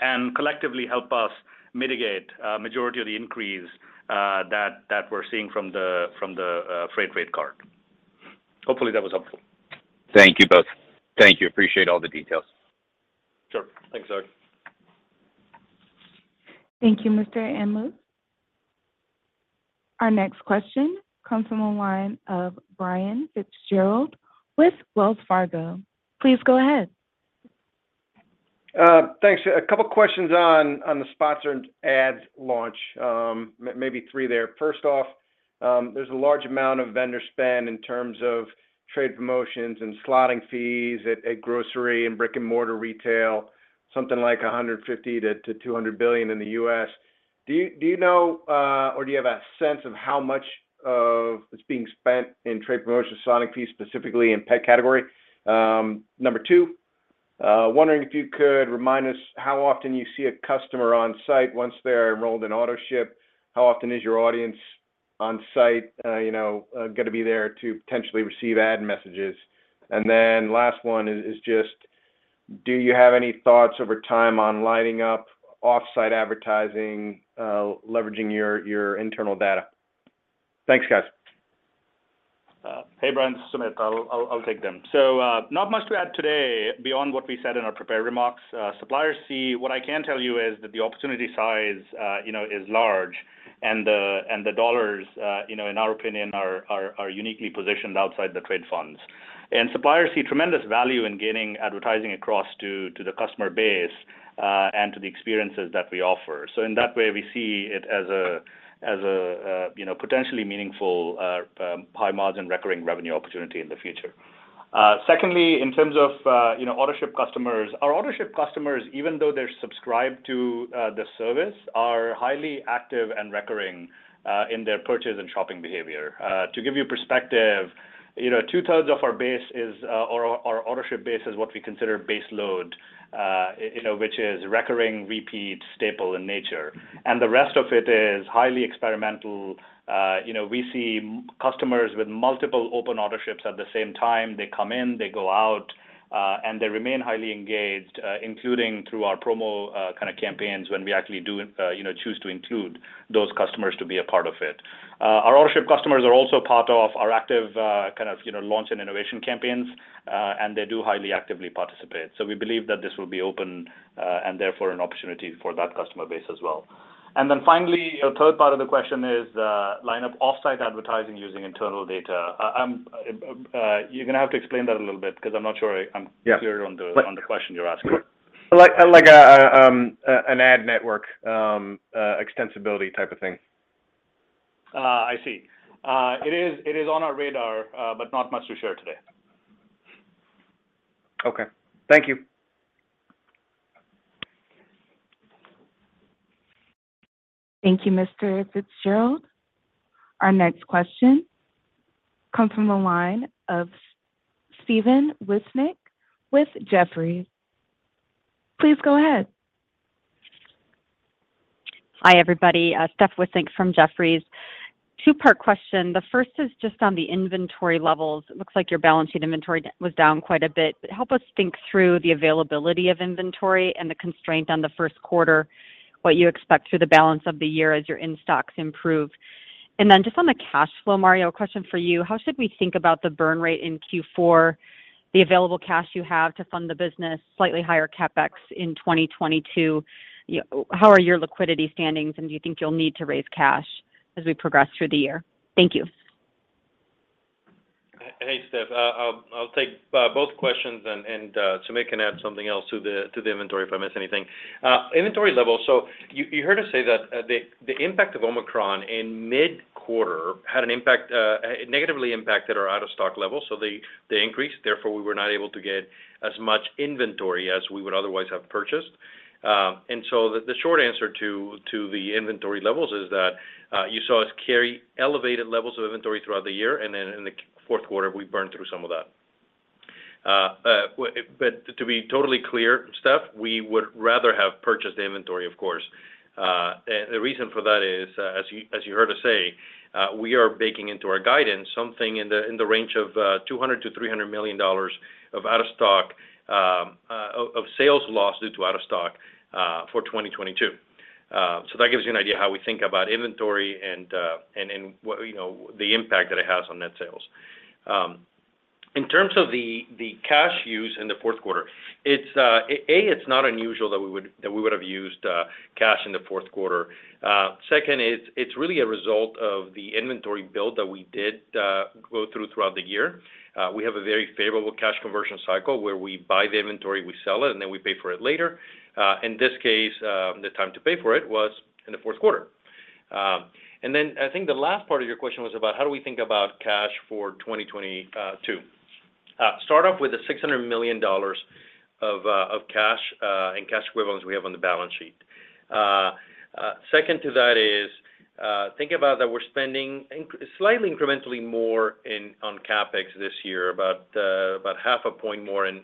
[SPEAKER 3] and collectively help us mitigate a majority of the increase that we're seeing from the freight rate card. Hopefully, that was helpful.
[SPEAKER 5] Thank you both. Thank you. Appreciate all the details.
[SPEAKER 3] Sure.
[SPEAKER 4] Thanks, Doug.
[SPEAKER 1] Thank you, Mr. Anmuth. Our next question comes from the line of Brian Fitzgerald with Wells Fargo. Please go ahead.
[SPEAKER 6] Thanks. A couple of questions on the Sponsored Ads launch, maybe three there. First off, there's a large amount of vendor spend in terms of trade promotions and slotting fees at grocery and brick-and-mortar retail, something like $150 billion-$200 billion in the U.S. Do you know or do you have a sense of how much of that's being spent in trade promotion slotting fees, specifically in pet category? Number two, wondering if you could remind us how often you see a customer on site once they're enrolled in Autoship, how often is your audience on site, you know, gonna be there to potentially receive ad messages? Last one is just do you have any thoughts over time on lining up off-site advertising, leveraging your internal data? Thanks, guys.
[SPEAKER 3] Hey, Brian. This is Sumit. I'll take them. Not much to add today beyond what we said in our prepared remarks. Suppliers see. What I can tell you is that the opportunity size, you know, is large and the dollars, you know, in our opinion, are uniquely positioned outside the trade funds. Suppliers see tremendous value in gaining advertising access to the customer base and to the experiences that we offer. In that way, we see it as a you know, potentially meaningful high margin recurring revenue opportunity in the future. Secondly, in terms of you know, Autoship customers, our Autoship customers, even though they're subscribed to the service, are highly active and recurring in their purchase and shopping behavior. To give you perspective, you know, two-thirds of our base is or our Autoship base is what we consider base load, you know, which is recurring, repeat, staple in nature. The rest of it is highly experimental. You know, we see customers with multiple open Autoships at the same time. They come in, they go out, and they remain highly engaged, including through our promo kind of campaigns when we actually do, you know, choose to include those customers to be a part of it. Our Autoship customers are also part of our active kind of launch and innovation campaigns, and they do highly actively participate. We believe that this will be open and therefore an opportunity for that customer base as well. Finally, your third part of the question is line of off-site advertising using internal data. You're gonna have to explain that a little bit because I'm not sure I'm-
[SPEAKER 6] Yeah
[SPEAKER 3] Clear on the question you're asking.
[SPEAKER 6] Like an ad network, extensibility type of thing.
[SPEAKER 3] I see. It is on our radar, but not much to share today.
[SPEAKER 6] Okay. Thank you.
[SPEAKER 1] Thank you, Mr. Fitzgerald. Our next question comes from the line of Stephan Wissink with Jefferies. Please go ahead.
[SPEAKER 7] Hi, everybody. Steph Wissink from Jefferies. Two-part question. The first is just on the inventory levels. It looks like your balance sheet inventory was down quite a bit. Help us think through the availability of inventory and the constraint on the first quarter, what you expect through the balance of the year as your in-stocks improve. Just on the cash flow, Mario, a question for you. How should we think about the burn rate in Q4, the available cash you have to fund the business, slightly higher CapEx in 2022? How are your liquidity standings, and do you think you'll need to raise cash as we progress through the year? Thank you.
[SPEAKER 4] Hey, Steph. I'll take both questions and Sumit can add something else to the inventory if I miss anything. Inventory levels, so you heard us say that the impact of Omicron in mid-quarter negatively impacted our out-of-stock levels, so they increased, therefore we were not able to get as much inventory as we would otherwise have purchased. The short answer to the inventory levels is that you saw us carry elevated levels of inventory throughout the year, and then in the fourth quarter, we burned through some of that. To be totally clear, Steph, we would rather have purchased the inventory, of course. The reason for that is, as you heard us say, we are baking into our guidance something in the range of $200 million-$300 million of out of stock of sales lost due to out of stock for 2022. That gives you an idea how we think about inventory and then what, you know, the impact that it has on net sales. In terms of the cash use in the fourth quarter, it's not unusual that we would have used cash in the fourth quarter. Second is it's really a result of the inventory build that we did go through throughout the year. We have a very favorable cash conversion cycle where we buy the inventory, we sell it, and then we pay for it later. In this case, the time to pay for it was in the fourth quarter. I think the last part of your question was about how do we think about cash for 2022. Start off with the $600 million of cash and cash equivalents we have on the balance sheet. Second to that is think about that we're spending slightly incrementally more on CapEx this year, about half a point more of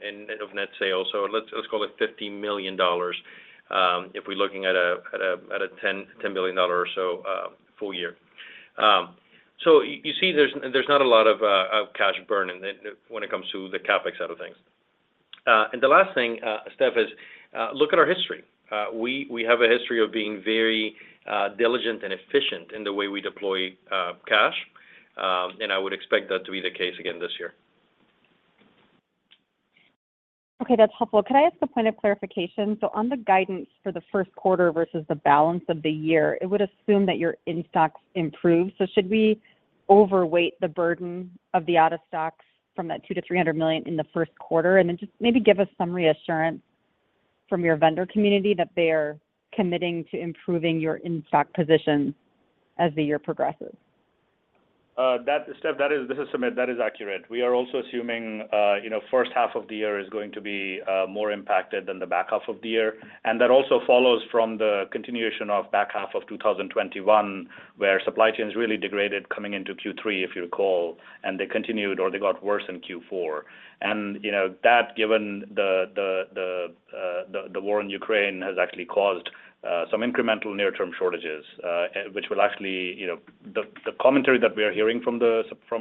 [SPEAKER 4] net sales, so let's call it $50 million, if we're looking at a $10 billion or so full year. You see there's not a lot of cash burn when it comes to the CapEx side of things. The last thing, Steph, is look at our history. We have a history of being very diligent and efficient in the way we deploy cash, and I would expect that to be the case again this year.
[SPEAKER 7] Okay, that's helpful. Could I ask a point of clarification? On the guidance for the first quarter versus the balance of the year, it would assume that your in-stocks improve. Should we overweight the burden of the out-of-stocks from that $200 million-$300 million in the first quarter? And then just maybe give us some reassurance from your vendor community that they are committing to improving your in-stock position as the year progresses?
[SPEAKER 3] Steph, that is. This is Sumit. That is accurate. We are also assuming, you know, first half of the year is going to be more impacted than the back half of the year. That also follows from the continuation of back half of 2021, where supply chains really degraded coming into Q3, if you recall, and they continued or they got worse in Q4. You know, that, given the war in Ukraine has actually caused some incremental near-term shortages, which will actually, you know, the commentary that we are hearing from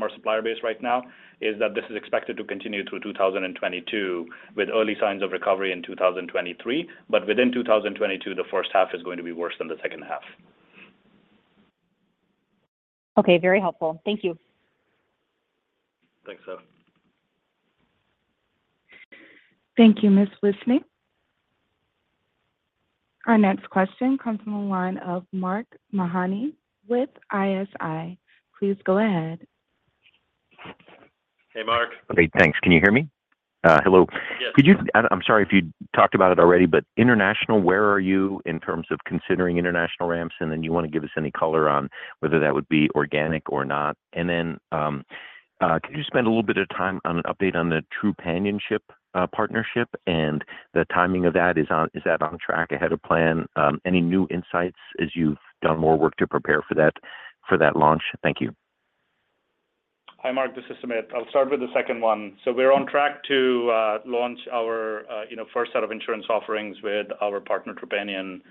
[SPEAKER 3] our supplier base right now is that this is expected to continue through 2022 with early signs of recovery in 2023. Within 2022, the first half is going to be worse than the second half.
[SPEAKER 7] Okay, very helpful. Thank you.
[SPEAKER 3] Thanks, Steph.
[SPEAKER 1] Thank you, Ms. Wissink. Our next question comes from the line of Mark Mahaney with ISI. Please go ahead.
[SPEAKER 4] Hey, Mark.
[SPEAKER 8] Great, thanks. Can you hear me? Hello.
[SPEAKER 4] Yes.
[SPEAKER 8] Could you and I'm sorry if you talked about it already, but international, where are you in terms of considering international ramps? You wanna give us any color on whether that would be organic or not. Could you spend a little bit of time on an update on the Trupanion partnership and the timing of that? Is that on track, ahead of plan? Any new insights as you've done more work to prepare for that launch? Thank you.
[SPEAKER 3] Hi, Mark. This is Sumit. I'll start with the second one. We're on track to launch our you know first set of insurance offerings with our partner, Trupanion,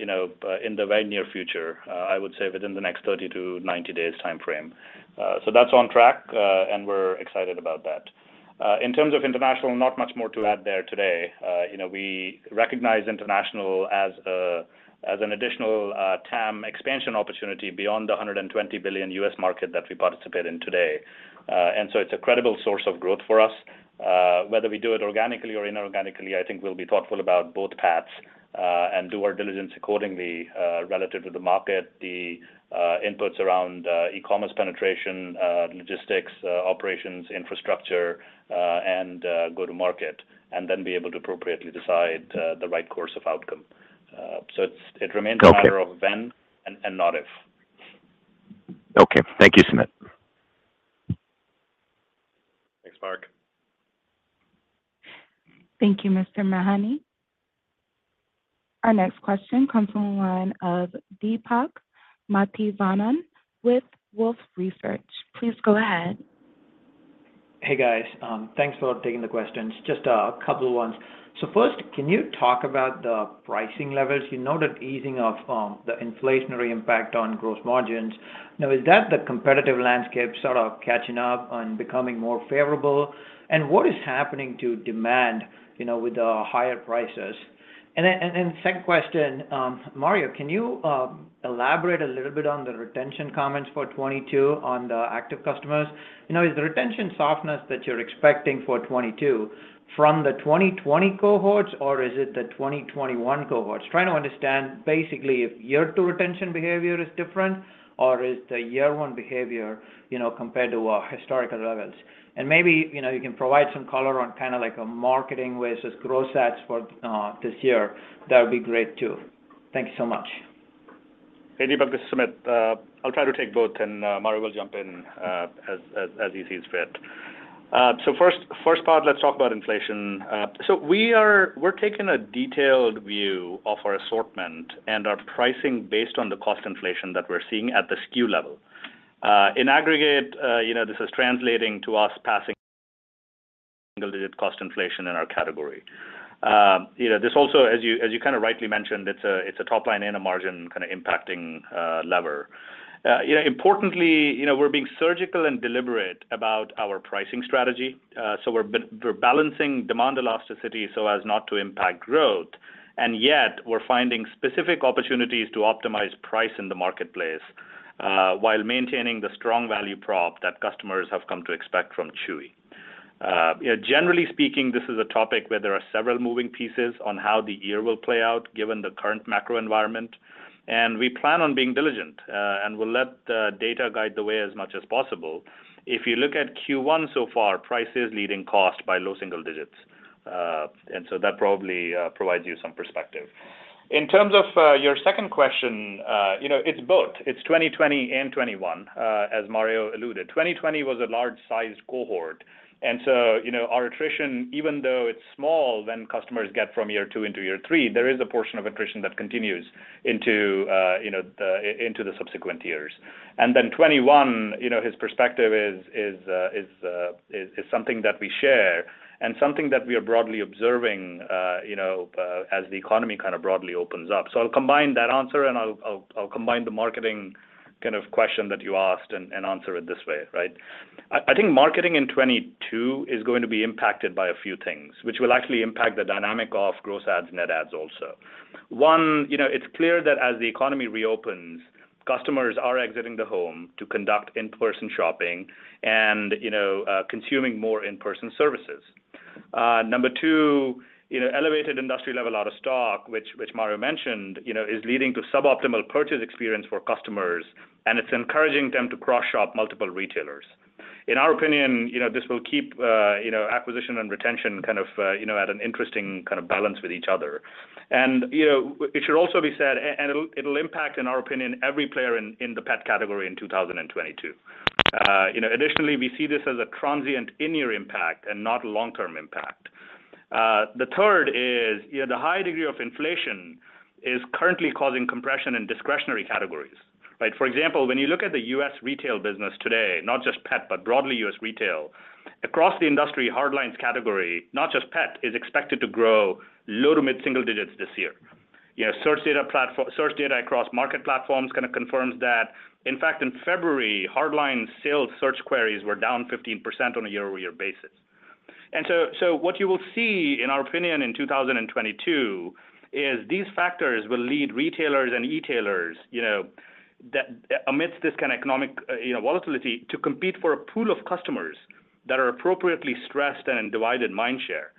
[SPEAKER 3] you know in the very near future. I would say within the next 30-90 days timeframe. That's on track, and we're excited about that. In terms of international, not much more to add there today. You know, we recognize international as a as an additional TAM expansion opportunity beyond the $120 billion U.S. market that we participate in today. It's a credible source of growth for us. Whether we do it organically or inorganically, I think we'll be thoughtful about both paths, and do our diligence accordingly, relative to the market, the inputs around e-commerce penetration, logistics, operations, infrastructure, and go-to-market, and then be able to appropriately decide the right course of outcome. So it remains-
[SPEAKER 8] Okay
[SPEAKER 3] a matter of when and not if.
[SPEAKER 8] Okay. Thank you, Sumit.
[SPEAKER 3] Thanks, Mark.
[SPEAKER 1] Thank you, Mr. Mahaney. Our next question comes from the line of Deepak Mathivanan with Wolfe Research. Please go ahead.
[SPEAKER 9] Hey, guys. Thanks for taking the questions. Just a couple ones. First, can you talk about the pricing levels? You know, that easing of the inflationary impact on gross margins. Now, is that the competitive landscape sort of catching up and becoming more favorable? What is happening to demand, you know, with the higher prices? Second question, Mario, can you elaborate a little bit on the retention comments for 2022 on the active customers? You know, is the retention softness that you're expecting for 2022 from the 2020 cohorts or is it the 2021 cohorts? Trying to understand basically if year two retention behavior is different or is the year one behavior, you know, compared to historical levels. Maybe, you know, you can provide some color on kinda like a marketing versus growth spend for this year. That would be great, too. Thank you so much.
[SPEAKER 3] Hey, Deepak. This is Sumit. I'll try to take both and Mario will jump in as he sees fit. First part, let's talk about inflation. We're taking a detailed view of our assortment and our pricing based on the cost inflation that we're seeing at the SKU level. In aggregate, you know, this is translating to us passing single-digit cost inflation in our category. You know, this also, as you kinda rightly mentioned, it's a top line and a margin kinda impacting lever. You know, importantly, you know, we're being surgical and deliberate about our pricing strategy. We're balancing demand elasticity so as not to impact growth, and yet we're finding specific opportunities to optimize price in the marketplace, while maintaining the strong value prop that customers have come to expect from Chewy. You know, generally speaking, this is a topic where there are several moving pieces on how the year will play out given the current macro environment, and we plan on being diligent, and we'll let the data guide the way as much as possible. If you look at Q1 so far, price is leading cost by low single digits. That probably provides you some perspective. In terms of your second question, you know, it's both. It's 2020 and 2021, as Mario alluded. 2020 was a large-sized cohort, and so, you know, our attrition, even though it's small when customers get from year two into year three, there is a portion of attrition that continues into, you know, the into the subsequent years. Then 2021, you know, his perspective is something that we share and something that we are broadly observing, you know, as the economy kind of broadly opens up. I'll combine that answer, and I'll combine the marketing kind of question that you asked and answer it this way, right? I think marketing in 2022 is going to be impacted by a few things, which will actually impact the dynamic of gross adds and net adds also. One, you know, it's clear that as the economy reopens, customers are exiting the home to conduct in-person shopping and, you know, consuming more in-person services. Number two, you know, elevated industry level out of stock, which Mario mentioned, you know, is leading to suboptimal purchase experience for customers, and it's encouraging them to cross-shop multiple retailers. In our opinion, you know, this will keep, you know, acquisition and retention kind of, you know, at an interesting kind of balance with each other. You know, it should also be said, and it'll impact, in our opinion, every player in the pet category in 2022. You know, additionally, we see this as a transient in-year impact and not long-term impact. The third is, you know, the high degree of inflation is currently causing compression in discretionary categories, right? For example, when you look at the U.S. retail business today, not just pet, but broadly U.S. retail, across the industry, hard lines category, not just pet, is expected to grow low to mid-single digits this year. You know, source data across market platforms kinda confirms that. In fact, in February, hard line sales search queries were down 15% on a year-over-year basis. So what you will see, in our opinion, in 2022 is these factors will lead retailers and e-tailers, you know, that amidst this kind of economic volatility, to compete for a pool of customers that are appropriately stressed and in divided mindshare.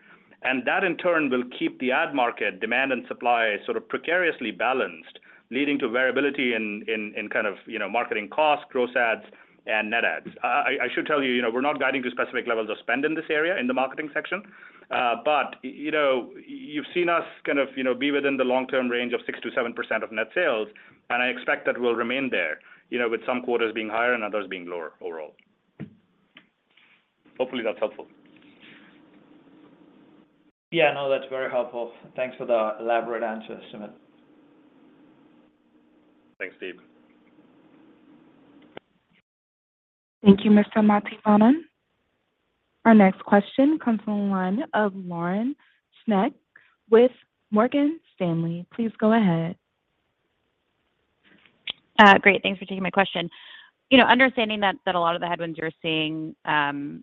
[SPEAKER 3] That in turn will keep the ad market demand and supply sort of precariously balanced, leading to variability in kind of, you know, marketing costs, gross ads, and net ads. I should tell you know, we're not guiding to specific levels of spend in this area, in the marketing section. You know, you've seen us kind of, you know, be within the long-term range of 6%-7% of net sales, and I expect that we'll remain there, you know, with some quarters being higher and others being lower overall. Hopefully, that's helpful.
[SPEAKER 9] Yeah. No, that's very helpful. Thanks for the elaborate answer, Sumit.
[SPEAKER 3] Thanks, Deep.
[SPEAKER 1] Thank you, Mr. Mathivanan. Our next question comes from the line of Lauren Schenk with Morgan Stanley. Please go ahead.
[SPEAKER 10] Great. Thanks for taking my question. You know, understanding that a lot of the headwinds you're seeing,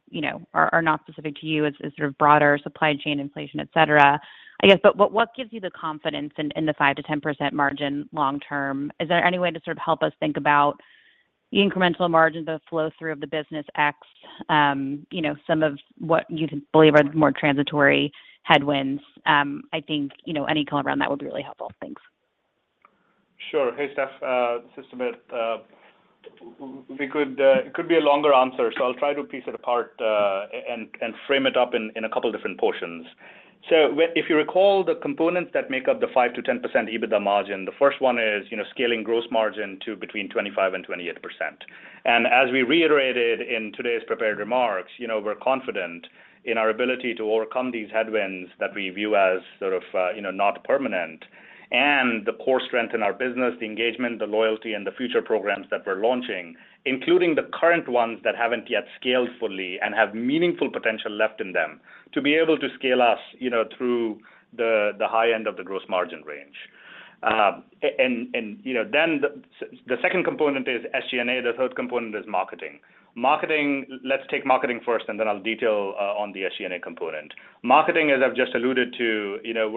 [SPEAKER 10] you know, are not specific to you is sort of broader supply chain inflation, et cetera, I guess, but what gives you the confidence in the 5%-10% margin long term? Is there any way to sort of help us think about the incremental margins that flow through of the business ex some of what you believe are the more transitory headwinds? I think, you know, any color around that would be really helpful. Thanks.
[SPEAKER 3] Sure. Hey, Steph. This is Sumit. We could, it could be a longer answer, so I'll try to piece it apart and frame it up in a couple different portions. If you recall the components that make up the 5%-10% EBITDA margin, the first one is, you know, scaling gross margin to between 25% and 28%. As we reiterated in today's prepared remarks, you know, we're confident in our ability to overcome these headwinds that we view as sort of, you know, not permanent and the core strength in our business, the engagement, the loyalty, and the future programs that we're launching, including the current ones that haven't yet scaled fully and have meaningful potential left in them to be able to scale us, you know, through the high end of the gross margin range. And, you know, then the second component is SG&A, the third component is marketing. Marketing. Let's take marketing first, and then I'll detail on the SG&A component. Marketing, as I've just alluded to, you know,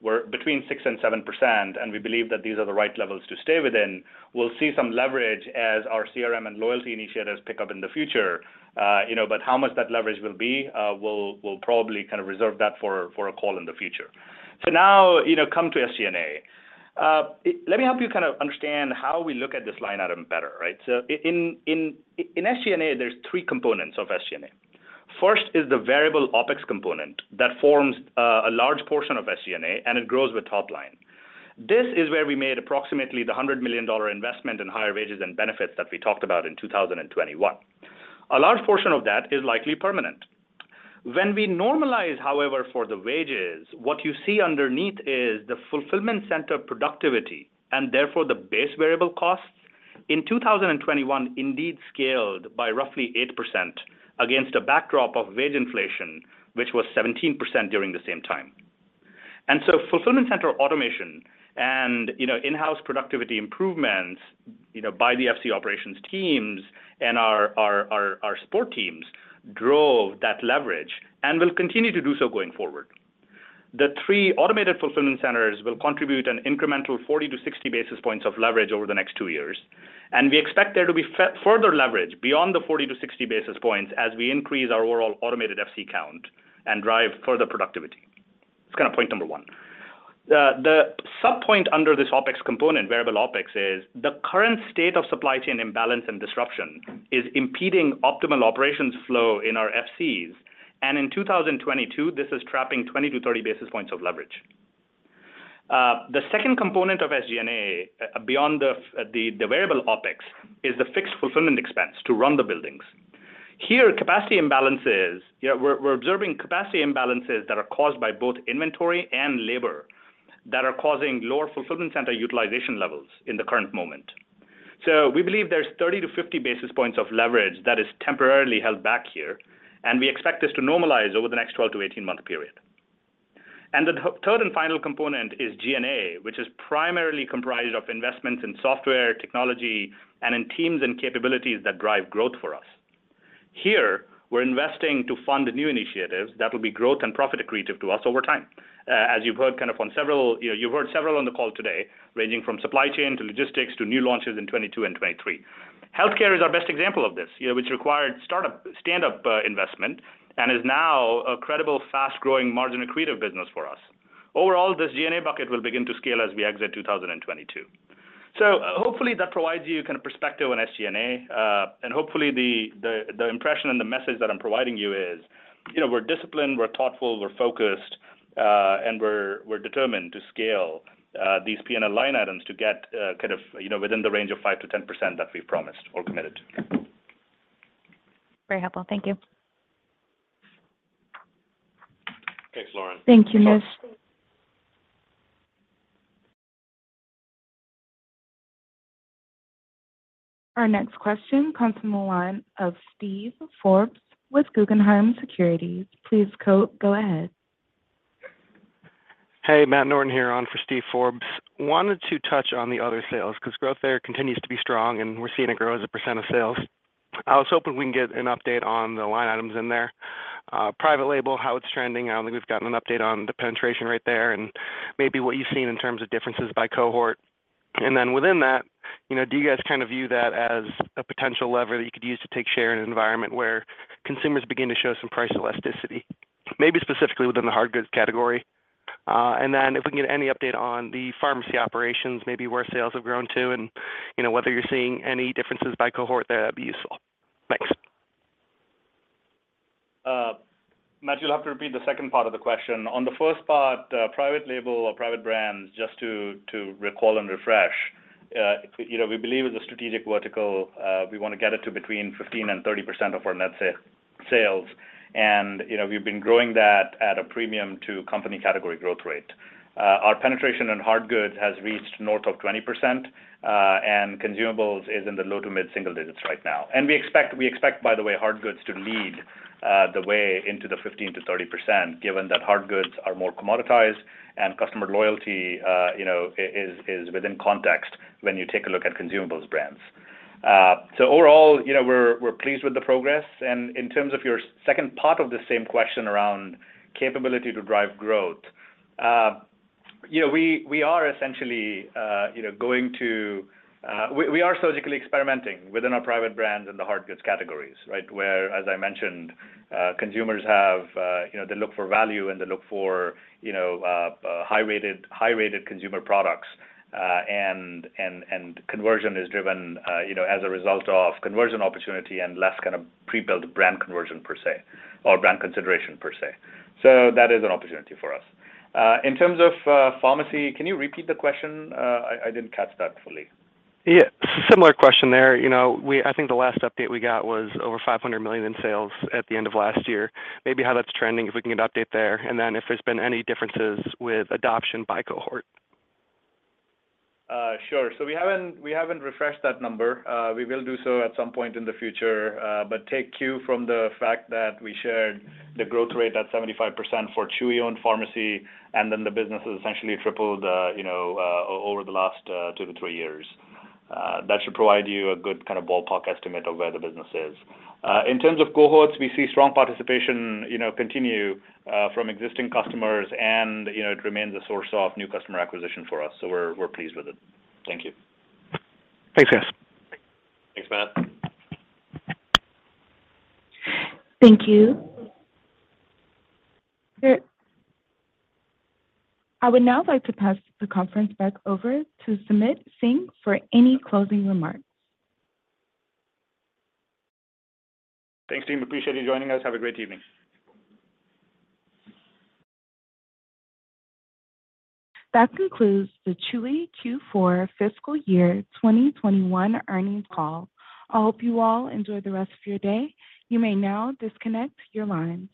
[SPEAKER 3] we're between 6% and 7%, and we believe that these are the right levels to stay within. We'll see some leverage as our CRM and loyalty initiatives pick up in the future. How much that leverage will be, we'll probably kind of reserve that for a call in the future. Now, come to SG&A. Let me help you kind of understand how we look at this line item better, right? In SG&A, there's three components of SG&A. First is the variable OpEx component that forms a large portion of SG&A, and it grows with top line. This is where we made approximately $100 million investment in higher wages and benefits that we talked about in 2021. A large portion of that is likely permanent. When we normalize, however, for the wages, what you see underneath is the fulfillment center productivity, and therefore the base variable costs in 2021 indeed scaled by roughly 8% against a backdrop of wage inflation, which was 17% during the same time. Fulfillment center automation and, you know, in-house productivity improvements, you know, by the FC operations teams and our support teams drove that leverage and will continue to do so going forward. The three automated fulfillment centers will contribute an incremental 40-60 basis points of leverage over the next two years, and we expect there to be further leverage beyond the 40-60 basis points as we increase our overall automated FC count and drive further productivity. That's kind of point number one. The sub point under this OpEx component, variable OpEx, is the current state of supply chain imbalance and disruption is impeding optimal operations flow in our FCs. In 2022, this is trapping 20-30 basis points of leverage. The second component of SG&A, beyond the variable OpEx, is the fixed fulfillment expense to run the buildings. Here, capacity imbalances. We're observing capacity imbalances that are caused by both inventory and labor that are causing lower fulfillment center utilization levels in the current moment. We believe there's 30-50 basis points of leverage that is temporarily held back here, and we expect this to normalize over the next 12-18-month period. The third and final component is G&A, which is primarily comprised of investments in software, technology, and in teams and capabilities that drive growth for us. Here, we're investing to fund new initiatives that will be growth and profit accretive to us over time, as you've heard several on the call today, ranging from supply chain to logistics to new launches in 2022 and 2023. Healthcare is our best example of this, you know, which required stand-up investment and is now a credible, fast-growing, margin-accretive business for us. Overall, this G&A bucket will begin to scale as we exit 2022. Hopefully that provides you kind of perspective on SG&A, and hopefully the impression and the message that I'm providing you is, you know, we're disciplined, we're thoughtful, we're focused, and we're determined to scale these P&L line items to get, kind of, you know, within the range of 5%-10% that we've promised or committed to.
[SPEAKER 10] Very helpful. Thank you.
[SPEAKER 4] Thanks, Lauren.
[SPEAKER 1] Thank you, Miss. Our next question comes from the line of Steve Forbes with Guggenheim Securities. Please go ahead.
[SPEAKER 11] Hey, Matt Norton here on for Steve Forbes. I wanted to touch on the other sales because growth there continues to be strong, and we're seeing it grow as a percent of sales. I was hoping we can get an update on the line items in there. Private label, how it's trending. I don't think we've gotten an update on the penetration rate there and maybe what you've seen in terms of differences by cohort. Within that, you know, do you guys kind of view that as a potential lever that you could use to take share in an environment where consumers begin to show some price elasticity? Maybe specifically within the hard goods category. If we can get any update on the pharmacy operations, maybe where sales have grown to and, you know, whether you're seeing any differences by cohort there, that'd be useful. Thanks.
[SPEAKER 3] Matt, you'll have to repeat the second part of the question. On the first part, private label or private brands, just to recall and refresh, you know, we believe it's a strategic vertical. We wanna get it to between 15% and 30% of our net sales. You know, we've been growing that at a premium to company category growth rate. Our penetration in hard goods has reached north of 20%, and consumables is in the low to mid single digits right now. We expect, by the way, hard goods to lead the way into the 15%-30%, given that hard goods are more commoditized and customer loyalty, you know, is within context when you take a look at consumables brands. So overall, you know, we're pleased with the progress. In terms of your second part of the same question around capability to drive growth, you know, we are surgically experimenting within our private brands in the hard goods categories, right? Where, as I mentioned, consumers have, you know, they look for value and they look for, you know, high-rated consumer products. And conversion is driven, you know, as a result of conversion opportunity and less kind of pre-built brand conversion per se or brand consideration per se. That is an opportunity for us. In terms of pharmacy, can you repeat the question? I didn't catch that fully.
[SPEAKER 11] Yeah. Similar question there. You know, I think the last update we got was over $500 million in sales at the end of last year. Maybe how that's trending, if we can get an update there, and then if there's been any differences with adoption by cohort.
[SPEAKER 3] Sure. We haven't refreshed that number. We will do so at some point in the future, but take a cue from the fact that we shared the growth rate at 75% for Chewy-owned pharmacy, and then the business has essentially tripled, you know, over the last two to three years. That should provide you a good kind of ballpark estimate of where the business is. In terms of cohorts, we see strong participation, you know, continue from existing customers and, you know, it remains a source of new customer acquisition for us. We're pleased with it. Thank you.
[SPEAKER 11] Thanks, guys.
[SPEAKER 4] Thanks, Matt.
[SPEAKER 1] Thank you. I would now like to pass the conference back over to Sumit Singh for any closing remarks.
[SPEAKER 3] Thanks, team. Appreciate you joining us. Have a great evening.
[SPEAKER 1] That concludes the Chewy Q4 fiscal year 2021 earnings call. I hope you all enjoy the rest of your day. You may now disconnect your lines.